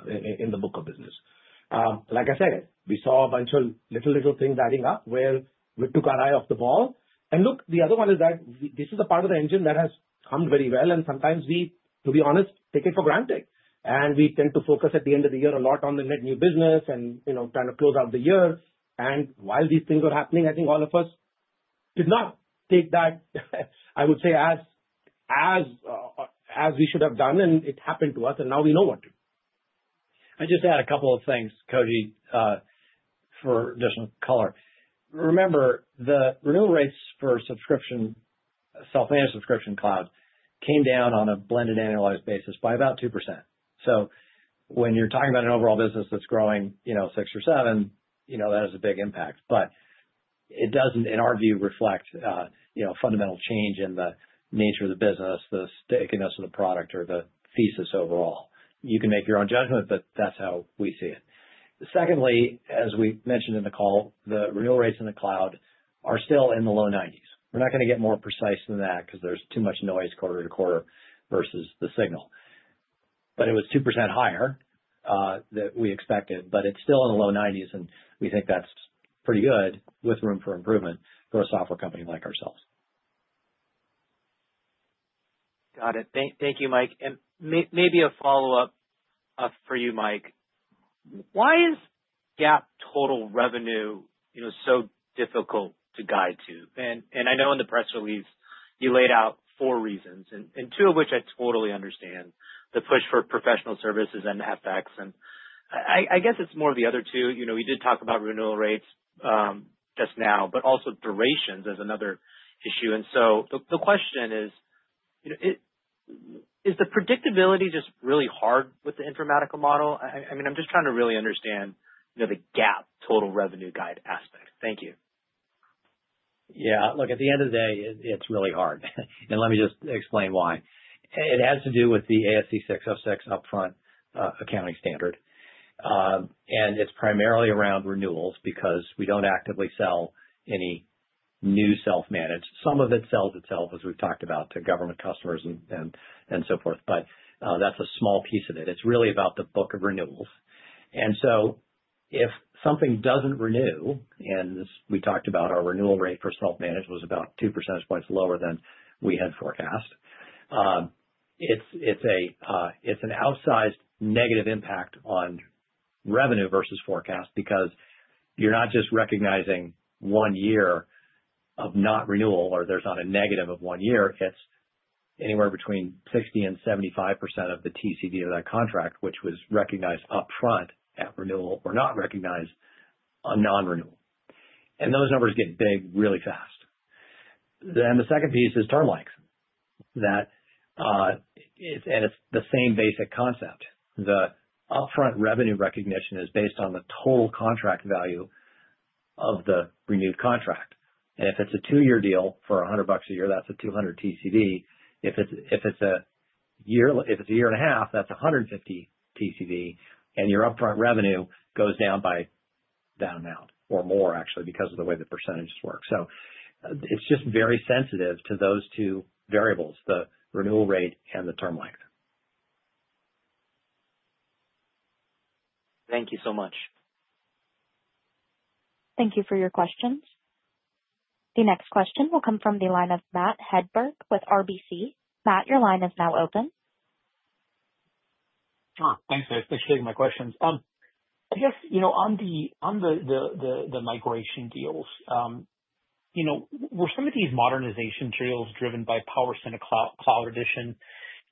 in the book of business. Like I said, we saw a bunch of little things adding up where we took our eye off the ball. And look, the other one is that this is a part of the engine that has hummed very well. And sometimes we, to be honest, take it for granted. We tend to focus at the end of the year a lot on the net new business and trying to close out the year. While these things were happening, I think all of us did not take that, I would say, as we should have done, and it happened to us, and now we know what to do. I just add a couple of things, Koji, for additional color. Remember, the renewal rates for self-managed subscription cloud came down on a blended annualized basis by about 2%. So when you're talking about an overall business that's growing six or seven, that has a big impact. But it doesn't, in our view, reflect fundamental change in the nature of the business, the stickiness of the product, or the thesis overall. You can make your own judgment, but that's how we see it. Secondly, as we mentioned in the call, the renewal rates in the cloud are still in the low 90s. We're not going to get more precise than that because there's too much noise quarter to quarter versus the signal but it was 2% higher than we expected, but it's still in the low 90s, and we think that's pretty good with room for improvement for a software company like ourselves. Got it. Thank you, Mike. And maybe a follow-up for you, Mike. Why is GAAP total revenue so difficult to guide to? And I know in the press release, you laid out four reasons, and two of which I totally understand: the push for professional services and FX. And I guess it's more of the other two. We did talk about renewal rates just now, but also durations is another issue. And so the question is, is the predictability just really hard with the Informatica model? I mean, I'm just trying to really understand the GAAP total revenue guide aspect. Thank you. Yeah. Look, at the end of the day, it's really hard. And let me just explain why. It has to do with the ASC 606 upfront accounting standard. And it's primarily around renewals because we don't actively sell any new self-managed. Some of it sells itself, as we've talked about, to government customers and so forth. But that's a small piece of it. It's really about the book of renewals. And so if something doesn't renew, and we talked about our renewal rate for self-managed was about 2 percentage points lower than we had forecast, it's an outsized negative impact on revenue versus forecast because you're not just recognizing one year of not renewal or there's not a negative of one year. It's anywhere between 60% and 75% of the TCV of that contract, which was recognized upfront at renewal or not recognized on non-renewal. Those numbers get big really fast. Then the second piece is term length. And it's the same basic concept. The upfront revenue recognition is based on the total contract value of the renewed contract. And if it's a two-year deal for $100 a year, that's a 200 TCV. If it's a year and a half, that's 150 TCV. And your upfront revenue goes down by that amount or more, actually, because of the way the percentages work. So it's just very sensitive to those two variables, the renewal rate and the term length. Thank you so much. Thank you for your questions. The next question will come from the line of Matt Hedberg with RBC. Matt, your line is now open. Sure. Thanks, guys. Thanks for taking my questions. I guess on the migration deals, were some of these modernization deals driven by PowerCenter Cloud Edition?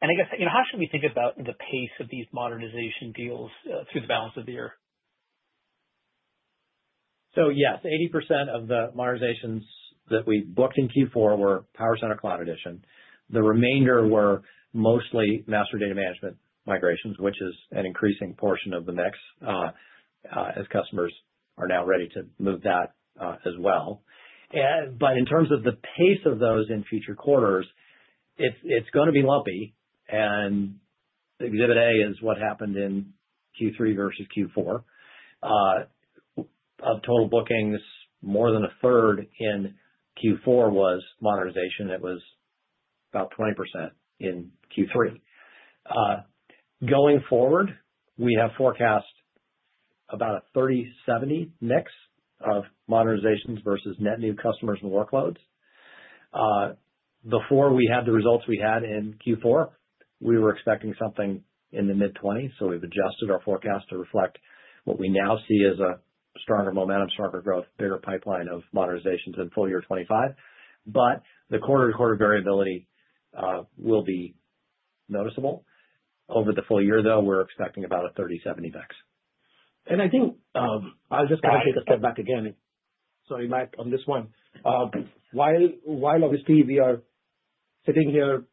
And I guess, how should we think about the pace of these modernization deals through the balance of the year? So yes, 80% of the modernizations that we booked in Q4 were PowerCenter Cloud Edition. The remainder were mostly master data management migrations, which is an increasing portion of the mix as customers are now ready to move that as well. But in terms of the pace of those in future quarters, it's going to be lumpy. And Exhibit A is what happened in Q3 versus Q4. Of total bookings, more than a third in Q4 was modernization. It was about 20% in Q3. Going forward, we have forecast about a 30/70 mix of modernizations versus net new customers and workloads. Before we had the results we had in Q4, we were expecting something in the mid-20s. So we've adjusted our forecast to reflect what we now see as a stronger momentum, stronger growth, bigger pipeline of modernizations in full year 2025. But the quarter-to-quarter variability will be noticeable. Over the full year, though, we're expecting about a 30/70 mix. And I think I'll just kind of take a step back again. Sorry, Matt, on this one. While obviously we are sitting here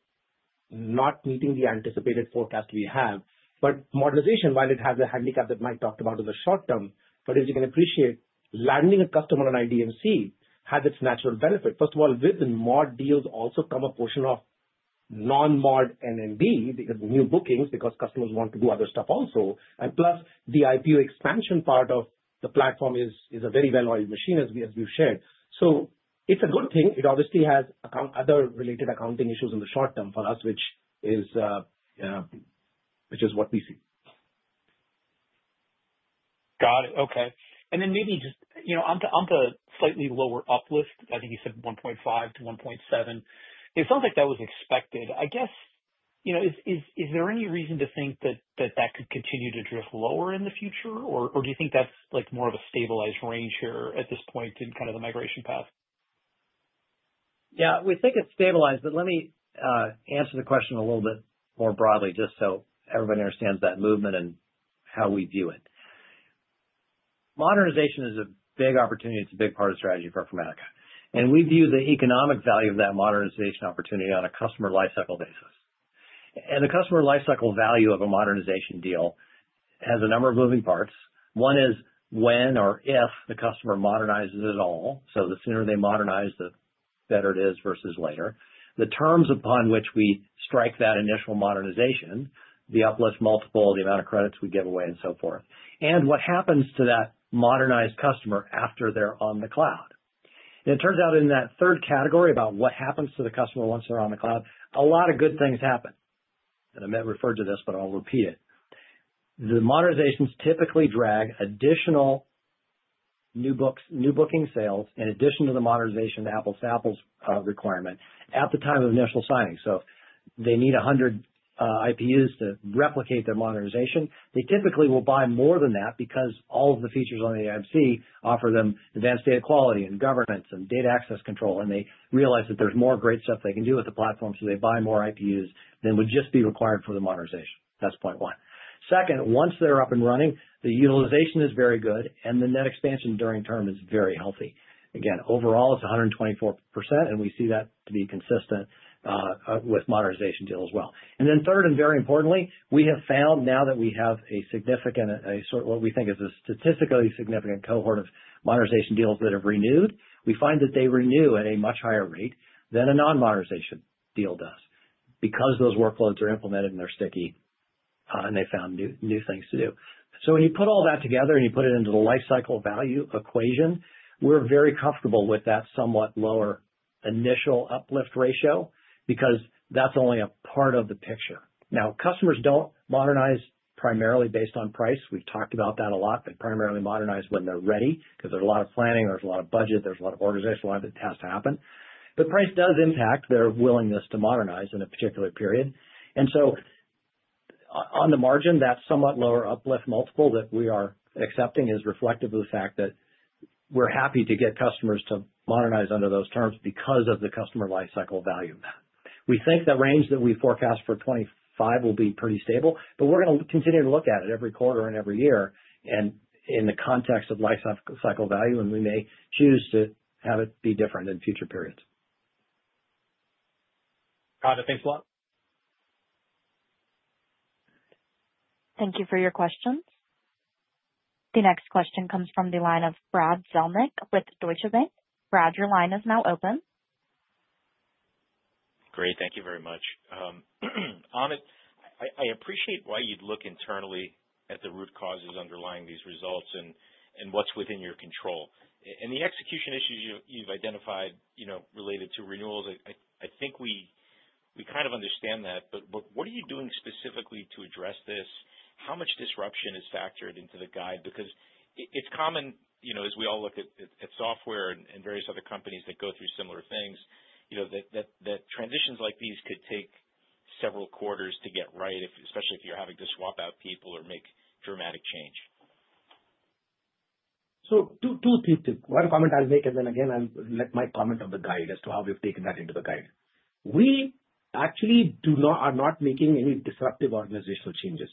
not meeting the anticipated forecast we have, but modernization, while it has a handicap that Mike talked about in the short term, but as you can appreciate, landing a customer on an IDMC has its natural benefit. First of all, with the mod deals also come a portion of non-mod NNB, new bookings, because customers want to do other stuff also. And plus the IPU expansion part of the platform is a very well-oiled machine, as we've shared. So it's a good thing. It obviously has other related accounting issues in the short term for us, which is what we see. Got it. Okay. And then maybe just on the slightly lower uplift, I think you said 1.5 to 1.7. It sounds like that was expected. I guess, is there any reason to think that that could continue to drift lower in the future? Or do you think that's more of a stabilized range here at this point in kind of the migration path? Yeah. We think it's stabilized, but let me answer the question a little bit more broadly, just so everybody understands that movement and how we view it. Modernization is a big opportunity. It's a big part of strategy for Informatica. And we view the economic value of that modernization opportunity on a customer lifecycle basis. And the customer lifecycle value of a modernization deal has a number of moving parts. One is when or if the customer modernizes at all. So the sooner they modernize, the better it is versus later. The terms upon which we strike that initial modernization, the uplift multiple, the amount of credits we give away, and so forth. And what happens to that modernized customer after they're on the cloud? And it turns out in that third category about what happens to the customer once they're on the cloud, a lot of good things happen. I already referred to this, but I'll repeat it. The modernizations typically drive additional new booking sales in addition to the modernization of a pilot requirement at the time of initial signing. So if they need 100 IPUs to replicate their modernization, they typically will buy more than that because all of the features on the IDMC offer them advanced data quality and governance and data access control. And they realize that there's more great stuff they can do with the platform, so they buy more IPUs than would just be required for the modernization. That's point one. Second, once they're up and running, the utilization is very good, and the net expansion during term is very healthy. Again, overall, it's 124%, and we see that to be consistent with modernization deal as well. And then third, and very importantly, we have found now that we have a significant, what we think is a statistically significant cohort of modernization deals that have renewed. We find that they renew at a much higher rate than a non-modernization deal does because those workloads are implemented and they're sticky, and they found new things to do. So when you put all that together and you put it into the lifecycle value equation, we're very comfortable with that somewhat lower initial uplift ratio because that's only a part of the picture. Now, customers don't modernize primarily based on price. We've talked about that a lot, but primarily modernize when they're ready because there's a lot of planning, there's a lot of budget, there's a lot of organizational work that has to happen. But price does impact their willingness to modernize in a particular period. On the margin, that somewhat lower uplift multiple that we are accepting is reflective of the fact that we're happy to get customers to modernize under those terms because of the customer lifecycle value of that. We think the range that we forecast for 2025 will be pretty stable, but we're going to continue to look at it every quarter and every year in the context of lifecycle value, and we may choose to have it be different in future periods. Got it. Thanks a lot. Thank you for your questions. The next question comes from the line of Brad Zelnick with Deutsche Bank. Brad, your line is now open. Great. Thank you very much. I appreciate why you'd look internally at the root causes underlying these results and what's within your control. And the execution issues you've identified related to renewals, I think we kind of understand that, but what are you doing specifically to address this? How much disruption is factored into the guide? Because it's common, as we all look at software and various other companies that go through similar things, that transitions like these could take several quarters to get right, especially if you're having to swap out people or make dramatic change. So, two things. One comment I'll make, and then again, I'll let Mike comment on the guide as to how we've taken that into the guide. We actually are not making any disruptive organizational changes.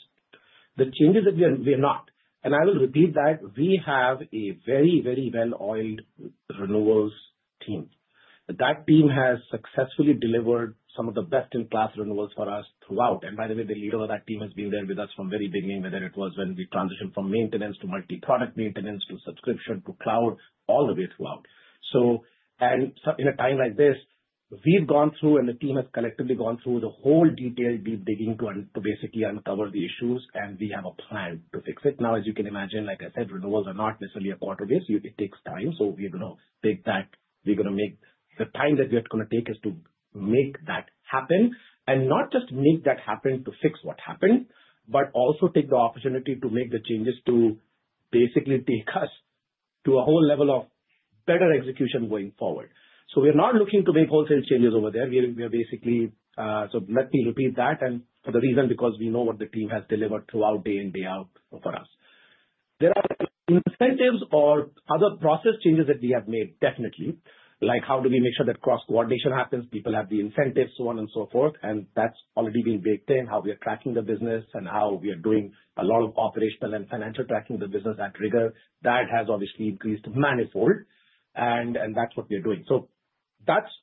The changes that we are not. And I will repeat that. We have a very, very well-oiled renewals team. That team has successfully delivered some of the best-in-class renewals for us throughout. And by the way, the leader of that team has been there with us from the very beginning, whether it was when we transitioned from maintenance to multi-product maintenance to subscription to cloud, all the way throughout. So in a time like this, we've gone through, and the team has collectively gone through the whole detailed deep digging to basically uncover the issues, and we have a plan to fix it. Now, as you can imagine, like I said, renewals are not necessarily a quarter basis. It takes time. So we're going to take that. We're going to make the time that we're going to take is to make that happen. And not just make that happen to fix what happened, but also take the opportunity to make the changes to basically take us to a whole level of better execution going forward. So we're not looking to make wholesale changes over there. We are basically, so let me repeat that. And for the reason because we know what the team has delivered throughout day in, day out for us. There are incentives or other process changes that we have made, definitely, like how do we make sure that cross-coordination happens, people have the incentives, so on and so forth. That's already been baked in, how we are tracking the business and how we are doing a lot of operational and financial tracking of the business with rigor. That has obviously increased manifold, and that's what we are doing.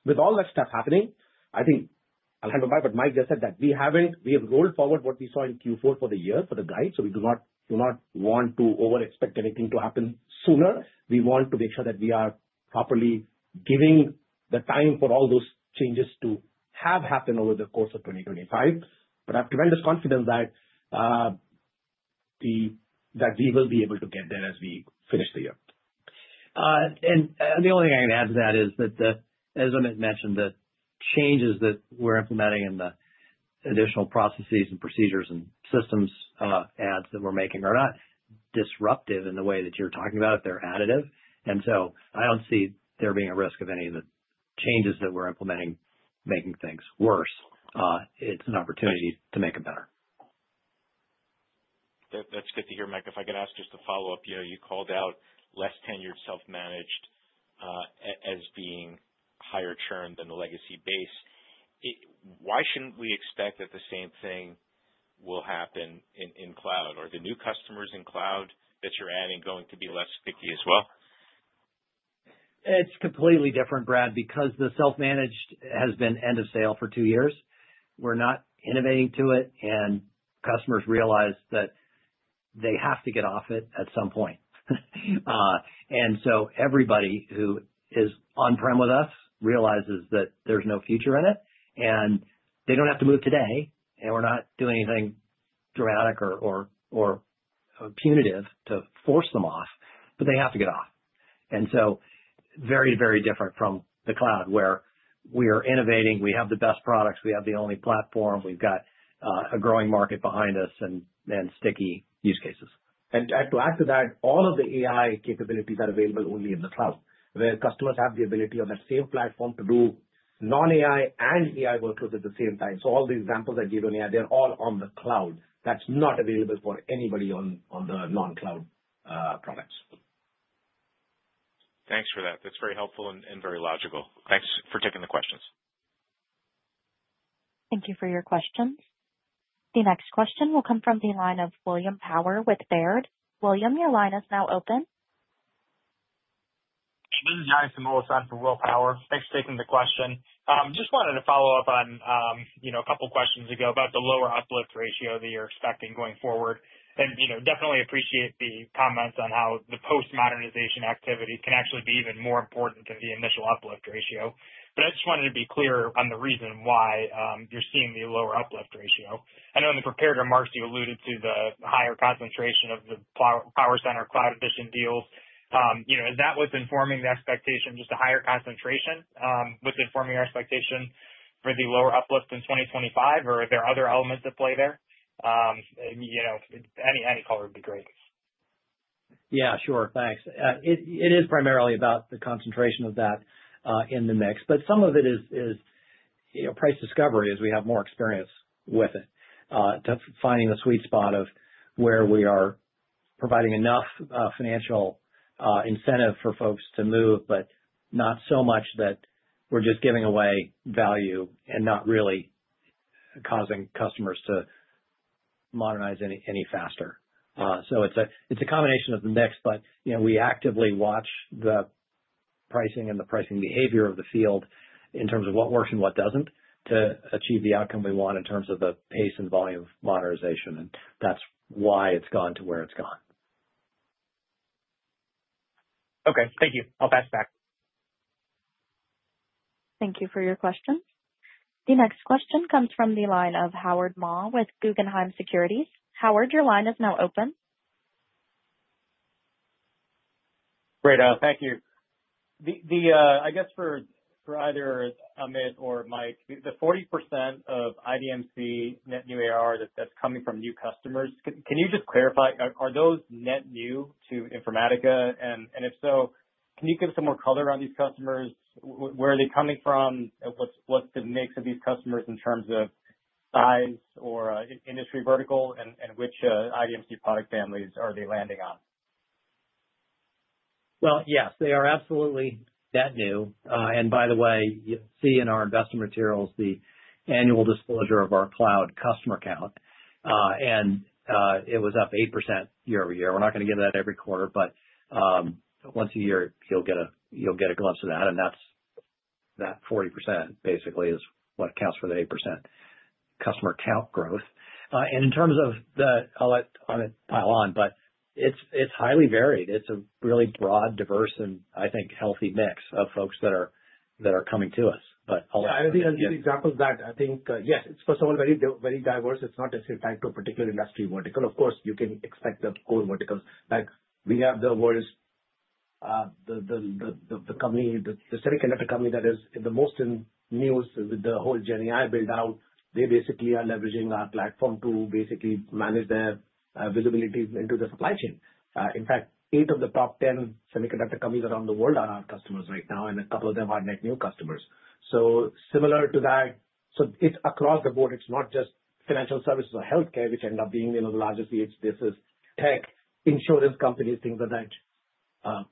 With all that stuff happening, I think I'll hand to Mike, but Mike just said that we have rolled forward what we saw in Q4 for the year for the guide. We do not want to overexpect anything to happen sooner. We want to make sure that we are properly giving the time for all those changes to have happened over the course of 2025. I have tremendous confidence that we will be able to get there as we finish the year. And the only thing I can add to that is that, as I mentioned, the changes that we're implementing in the additional processes and procedures and systems adds that we're making are not disruptive in the way that you're talking about it. They're additive. And so I don't see there being a risk of any of the changes that we're implementing making things worse. It's an opportunity to make it better. That's good to hear, Mike. If I could ask just a follow-up, you called out less tenured self-managed as being higher churn than the legacy base. Why shouldn't we expect that the same thing will happen in cloud? Are the new customers in cloud that you're adding going to be less sticky as well? It's completely different, Brad, because the self-managed has been end of sale for two years. We're not innovating to it, and customers realize that they have to get off it at some point, and so everybody who is on-prem with us realizes that there's no future in it, and they don't have to move today, and we're not doing anything dramatic or punitive to force them off, but they have to get off, and so very, very different from the cloud where we are innovating. We have the best products. We have the only platform. We've got a growing market behind us and sticky use cases. And to add to that, all of the AI capabilities are available only in the cloud, where customers have the ability on that same platform to do non-AI and AI workloads at the same time. So all the examples I gave on AI, they're all on the cloud. That's not available for anybody on the non-cloud products. Thanks for that. That's very helpful and very logical. Thanks for taking the questions. Thank you for your questions. The next question will come from the line of William Power with Baird. William, your line is now open. This is Jason Olson for William Power. Thanks for taking the question. Just wanted to follow up on a couple of questions ago about the lower uplift ratio that you're expecting going forward, and definitely appreciate the comments on how the post-modernization activity can actually be even more important than the initial uplift ratio, but I just wanted to be clear on the reason why you're seeing the lower uplift ratio. I know in the prepared remarks, you alluded to the higher concentration of the PowerCenter Cloud Edition deals. Is that what's informing the expectation, just a higher concentration? What's informing your expectation for the lower uplift in 2025? Or are there other elements at play there? Any color would be great. Yeah, sure. Thanks. It is primarily about the concentration of that in the mix. But some of it is price discovery as we have more experience with it, finding the sweet spot of where we are providing enough financial incentive for folks to move, but not so much that we're just giving away value and not really causing customers to modernize any faster. So it's a combination of the mix, but we actively watch the pricing and the pricing behavior of the field in terms of what works and what doesn't to achieve the outcome we want in terms of the pace and volume of modernization. And that's why it's gone to where it's gone. Okay. Thank you. I'll pass it back. Thank you for your questions. The next question comes from the line of Howard Ma with Guggenheim Securities. Howard, your line is now open. Great. Thank you. I guess for either Amit or Mike, the 40% of IDMC net new ARR that's coming from new customers, can you just clarify, are those net new to Informatica? And if so, can you give some more color on these customers? Where are they coming from? What's the mix of these customers in terms of size or industry vertical, and which IDMC product families are they landing on? Yes, they are absolutely net new. By the way, you'll see in our investment materials the annual disclosure of our cloud customer count. It was up 8% year over year. We're not going to give that every quarter, but once a year, you'll get a glimpse of that. That 40% basically is what accounts for the 8% customer count growth. In terms of the, I'll let Amit pile on, but it's highly varied. It's a really broad, diverse, and I think healthy mix of folks that are coming to us. I'll let Amit take that. Yeah. I think as an example of that, I think, yes, it's first of all very diverse. It's not necessarily tied to a particular industry vertical. Of course, you can expect the core verticals. We have the world's semiconductor company that is the most in news with the whole GenAI build-out. They basically are leveraging our platform to basically manage their visibility into the supply chain. In fact, eight of the top 10 semiconductor companies around the world are our customers right now, and a couple of them are net new customers. So similar to that, so it's across the board. It's not just financial services or healthcare, which end up being the largest customer base, tech, insurance companies, things of that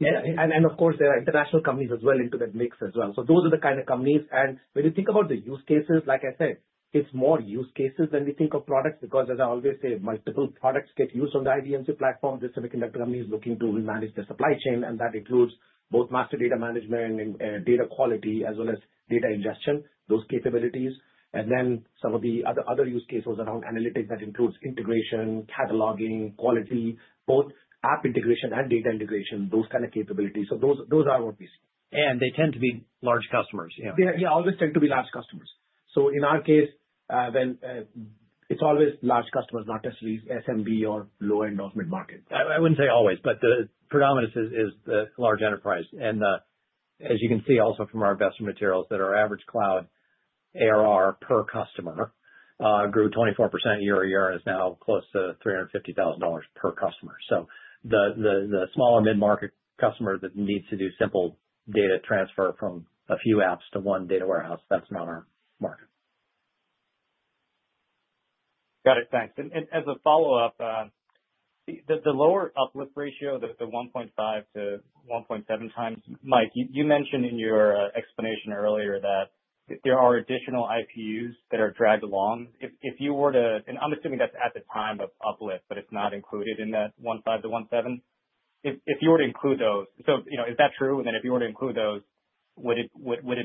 nature. And of course, there are international companies as well into that mix as well. So those are the kind of companies. When you think about the use cases, like I said, it's more use cases than we think of products because, as I always say, multiple products get used on the IDMC platform. The semiconductor company is looking to manage the supply chain, and that includes both master data management and data quality as well as data ingestion, those capabilities. Then some of the other use cases around analytics that includes integration, cataloging, quality, both app integration and data integration, those kind of capabilities. Those are what we see. They tend to be large customers. Yeah. They always tend to be large customers. So in our case, it's always large customers, not necessarily SMB or low-end or mid-market. I wouldn't say always, but the predominance is the large enterprise. And as you can see also from our investment materials, that our average cloud ARR per customer grew 24% year over year and is now close to $350,000 per customer. So the small or mid-market customer that needs to do simple data transfer from a few apps to one data warehouse, that's not our market. Got it. Thanks. And as a follow-up, the lower uplift ratio, the 1.5 to 1.7 times, Mike, you mentioned in your explanation earlier that there are additional IPUs that are dragged along. If you were to—and I'm assuming that's at the time of uplift, but it's not included in that 1.5 to 1.7. If you were to include those, so is that true? And then if you were to include those, would it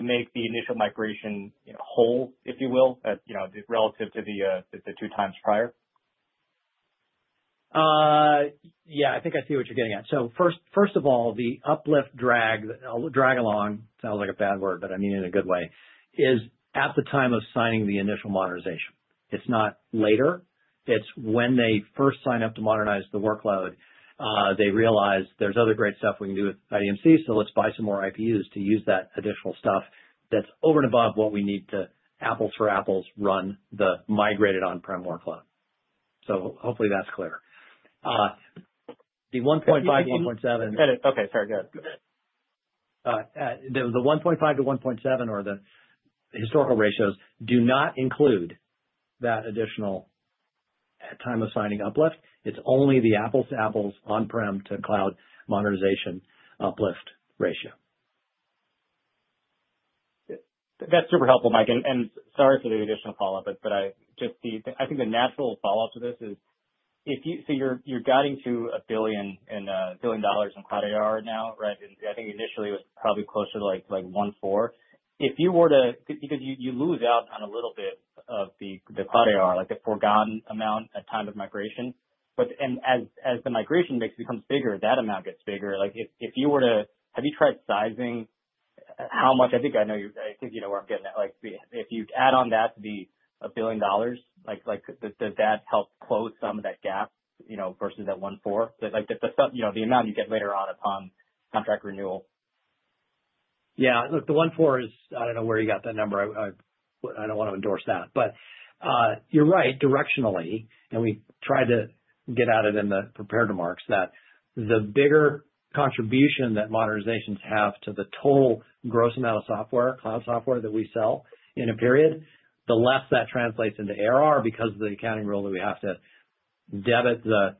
make the initial migration whole, if you will, relative to the two times prior? Yeah. I think I see what you're getting at. So first of all, the uplift drag along sounds like a bad word, but I mean it in a good way, is at the time of signing the initial modernization. It's not later. It's when they first sign up to modernize the workload, they realize there's other great stuff we can do with IDMC, so let's buy some more IPUs to use that additional stuff that's over and above what we need to apples for apples run the migrated on-prem workload. So hopefully that's clear. The 1.5 to 1.7. Get it. Okay. Sorry. Go ahead. The 1.5-1.7 or the historical ratios do not include that additional time of signing uplift. It's only the apples to apples on-prem to cloud modernization uplift ratio. That's super helpful, Mike. And sorry for the additional follow-up, but I think the natural follow-up to this is, so you're guiding to $1 billion in cloud ARR now, right? And I think initially it was probably closer to like $1.4 billion. If you were to, because you lose out on a little bit of the cloud ARR, like the foregone amount at time of migration. And as the migration mix becomes bigger, that amount gets bigger. If you were to, have you tried sizing how much? I think I know you, I think you know where I'm getting at. If you add on that to be a billion dollars, does that help close some of that gap versus that $1.4 billion? The amount you get later on upon contract renewal. Yeah. Look, the 1.4 is. I don't know where you got that number. I don't want to endorse that. But you're right, directionally, and we tried to get at it in the prepared remarks that the bigger contribution that modernizations have to the total gross amount of software, cloud software that we sell in a period, the less that translates into ARR because of the accounting rule that we have to debit the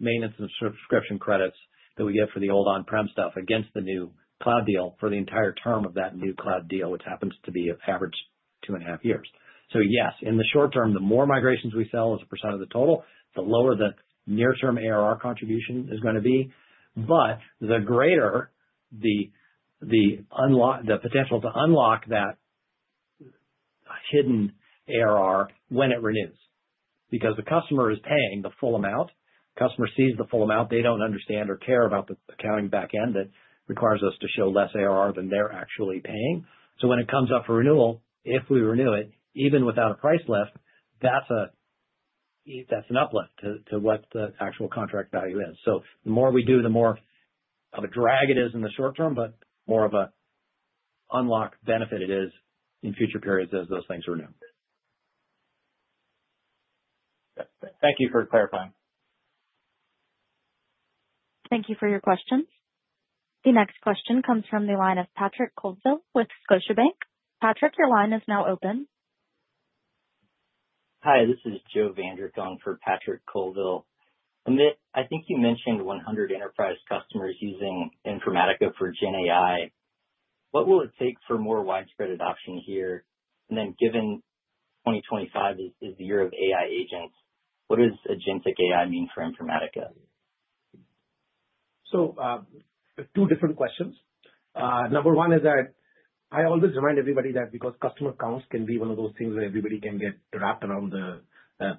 maintenance and subscription credits that we get for the old on-prem stuff against the new cloud deal for the entire term of that new cloud deal, which happens to be average two and a half years. So yes, in the short term, the more migrations we sell as a percent of the total, the lower the near-term ARR contribution is going to be. But the greater the potential to unlock that hidden ARR when it renews. Because the customer is paying the full amount. The customer sees the full amount. They don't understand or care about the accounting backend that requires us to show less ARR than they're actually paying. So when it comes up for renewal, if we renew it, even without a price lift, that's an uplift to what the actual contract value is. So the more we do, the more of a drag it is in the short term, but more of an unlock benefit it is in future periods as those things are renewed. Thank you for clarifying. Thank you for your questions. The next question comes from the line of Patrick Colville with Scotiabank. Patrick, your line is now open. Hi. This is Joe Vandrick for Patrick Colville. Amit, I think you mentioned 100 enterprise customers using Informatica for GenAI. What will it take for more widespread adoption here? And then, given 2025 is the year of AI agents, what does agentic AI mean for Informatica? So two different questions. Number one is that I always remind everybody that because customer counts can be one of those things where everybody can get wrapped around the,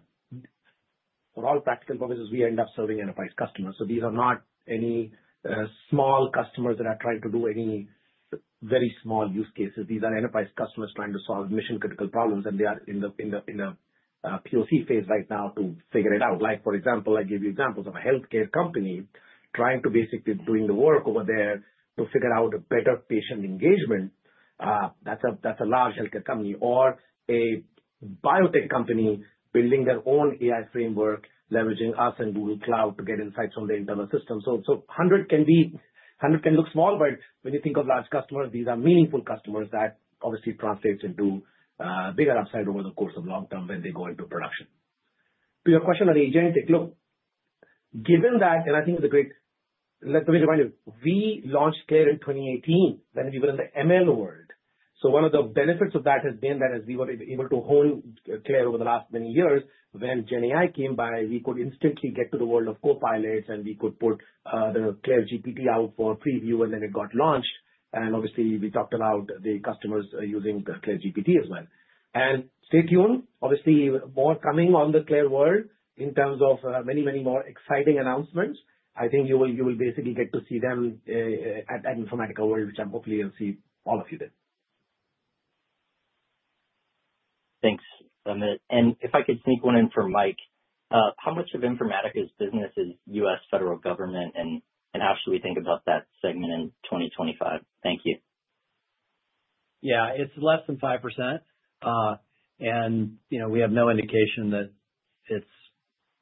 for all practical purposes, we end up serving enterprise customers. So these are not any small customers that are trying to do any very small use cases. These are enterprise customers trying to solve mission-critical problems, and they are in the POC phase right now to figure it out. For example, I give you examples of a healthcare company trying to basically do the work over there to figure out a better patient engagement. That's a large healthcare company. Or a biotech company building their own AI framework, leveraging us and Google Cloud to get insights from the internal system. So 100 can look small, but when you think of large customers, these are meaningful customers that obviously translates into bigger upside over the course of long term when they go into production. To your question on agentic, look, given that, and I think it's a great, let me remind you, we launched CLAIRE in 2018 when we were in the ML world. So one of the benefits of that has been that as we were able to hone CLAIRE over the last many years, when GenAI came by, we could instantly get to the world of Copilots, and we could put the CLAIRE GPT out for preview, and then it got launched. And obviously, we talked about the customers using CLAIRE GPT as well. And stay tuned. Obviously, more coming on the CLAIRE world in terms of many, many more exciting announcements. I think you will basically get to see them at Informatica World, which I'm hopefully you'll see all of you there. Thanks, Amit. And if I could sneak one in for Mike, how much of Informatica's business is U.S. federal government? And how should we think about that segment in 2025? Thank you. Yeah. It's less than 5%, and we have no indication that it's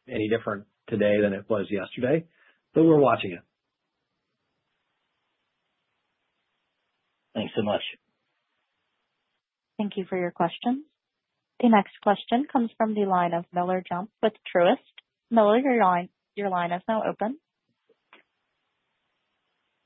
any different today than it was yesterday, but we're watching it. Thanks so much. Thank you for your questions. The next question comes from the line of Miller Jump with Truist. Miller, your line is now open.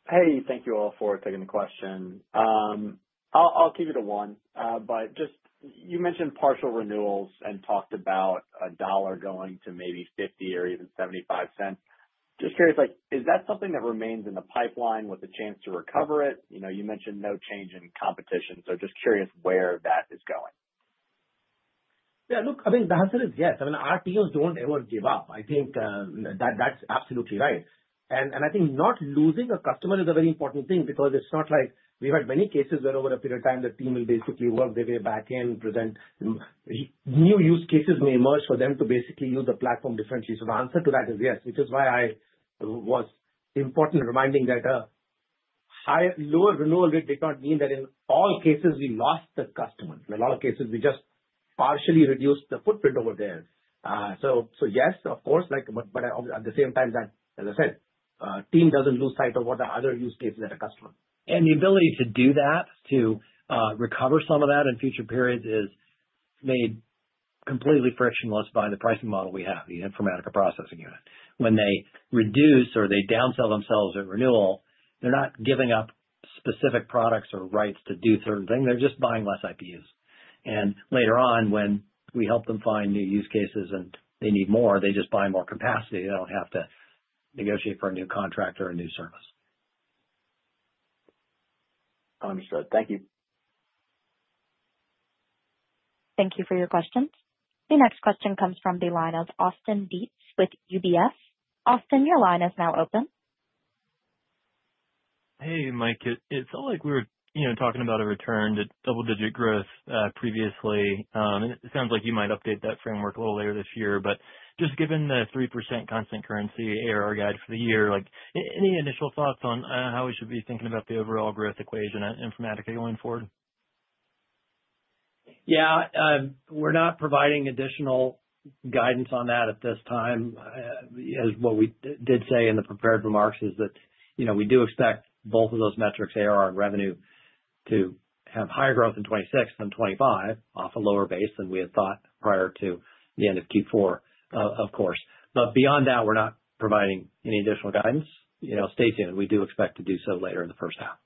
Hey, thank you all for taking the question. I'll keep it to one. But you mentioned partial renewals and talked about $1 going to maybe $0.50 or even $0.75. Just curious, is that something that remains in the pipeline with a chance to recover it? You mentioned no change in competition, so just curious where that is going? Yeah. Look, I think the answer is yes. I mean, RSDs don't ever give up. I think that's absolutely right. And I think not losing a customer is a very important thing because it's not like we've had many cases where over a period of time, the team will basically work their way back in. Present new use cases may emerge for them to basically use the platform differently. So the answer to that is yes, which is why I was important reminding that a lower renewal rate did not mean that in all cases we lost the customer. In a lot of cases, we just partially reduced the footprint over there. So yes, of course, but at the same time that, as I said, the team doesn't lose sight of what the other use cases that are customers. The ability to do that, to recover some of that in future periods is made completely frictionless by the pricing model we have, the Informatica Processing Unit. When they reduce or they downsell themselves at renewal, they're not giving up specific products or rights to do certain things. They're just buying less IPUs. Later on, when we help them find new use cases and they need more, they just buy more capacity. They don't have to negotiate for a new contract or a new service. Understood. Thank you. Thank you for your questions. The next question comes from the line of Austin Dietz with UBS. Austin, your line is now open. Hey, Mike. It's all like we were talking about a return to double-digit growth previously. And it sounds like you might update that framework a little later this year. But just given the 3% constant currency ARR guide for the year, any initial thoughts on how we should be thinking about the overall growth equation at Informatica going forward? Yeah. We're not providing additional guidance on that at this time. As we did say in the prepared remarks is that we do expect both of those metrics, ARR and revenue, to have higher growth in 2026 than 2025 off a lower base than we had thought prior to the end of Q4, of course. But beyond that, we're not providing any additional guidance. Stay tuned. We do expect to do so later in the first half.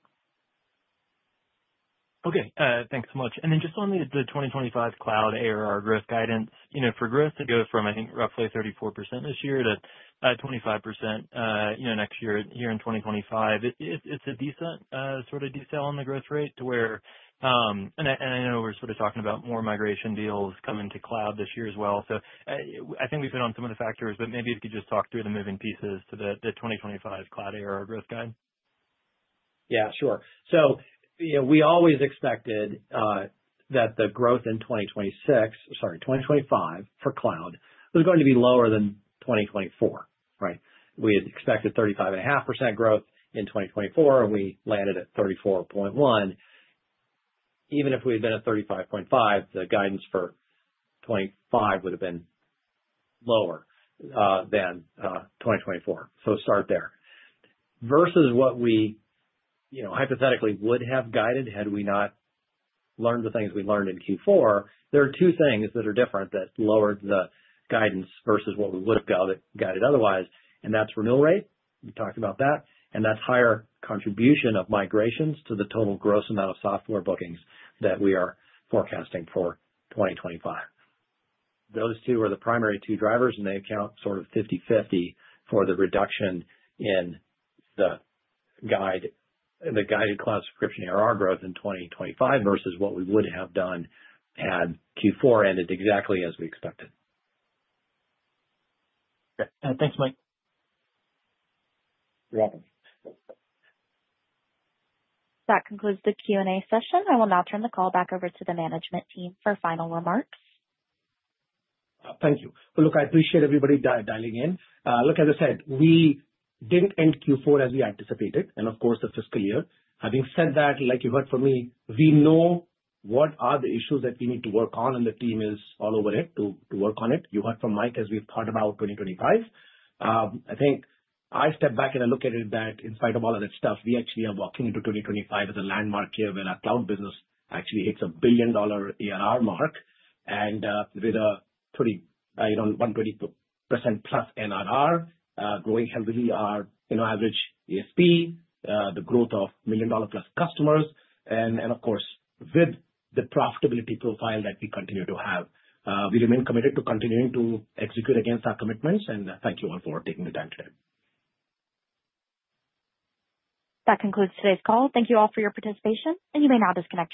Okay. Thanks so much. And then just on the 2025 cloud ARR growth guidance, for growth to go from, I think, roughly 34% this year to 25% next year here in 2025, it's a decent sort of decel on the growth rate to where, and I know we're sort of talking about more migration deals coming to cloud this year as well. So I think we've hit on some of the factors, but maybe if you could just talk through the moving pieces to the 2025 cloud ARR growth guidance. Yeah. Sure. So we always expected that the growth in 2026, sorry, 2025, for cloud was going to be lower than 2024, right? We had expected 35.5% growth in 2024, and we landed at 34.1%. Even if we had been at 35.5%, the guidance for 2025 would have been lower than 2024. So start there. Versus what we hypothetically would have guided had we not learned the things we learned in Q4, there are two things that are different that lowered the guidance versus what we would have guided otherwise. And that's renewal rate. We talked about that. And that's higher contribution of migrations to the total gross amount of software bookings that we are forecasting for 2025. Those two are the primary two drivers, and they account sort of 50/50 for the reduction in the guided cloud subscription ARR growth in 2025 versus what we would have done had Q4 ended exactly as we expected. Thanks, Mike. You're welcome. That concludes the Q&A session. I will now turn the call back over to the management team for final remarks. Thank you. Well, look, I appreciate everybody dialing in. Look, as I said, we didn't end Q4 as we anticipated, and of course, the fiscal year. Having said that, like you heard from me, we know what are the issues that we need to work on, and the team is all over it to work on it. You heard from Mike as we've thought about 2025. I think I step back and I look at it that in spite of all of that stuff, we actually are walking into 2025 as a landmark year where our cloud business actually hits a $1 billion ARR mark. With a 120%+ NRR, growing heavily our average ASP, the growth of $1 million plus customers, and of course, with the profitability profile that we continue to have, we remain committed to continuing to execute against our commitments. Thank you all for taking the time today. That concludes today's call. Thank you all for your participation, and you may now disconnect.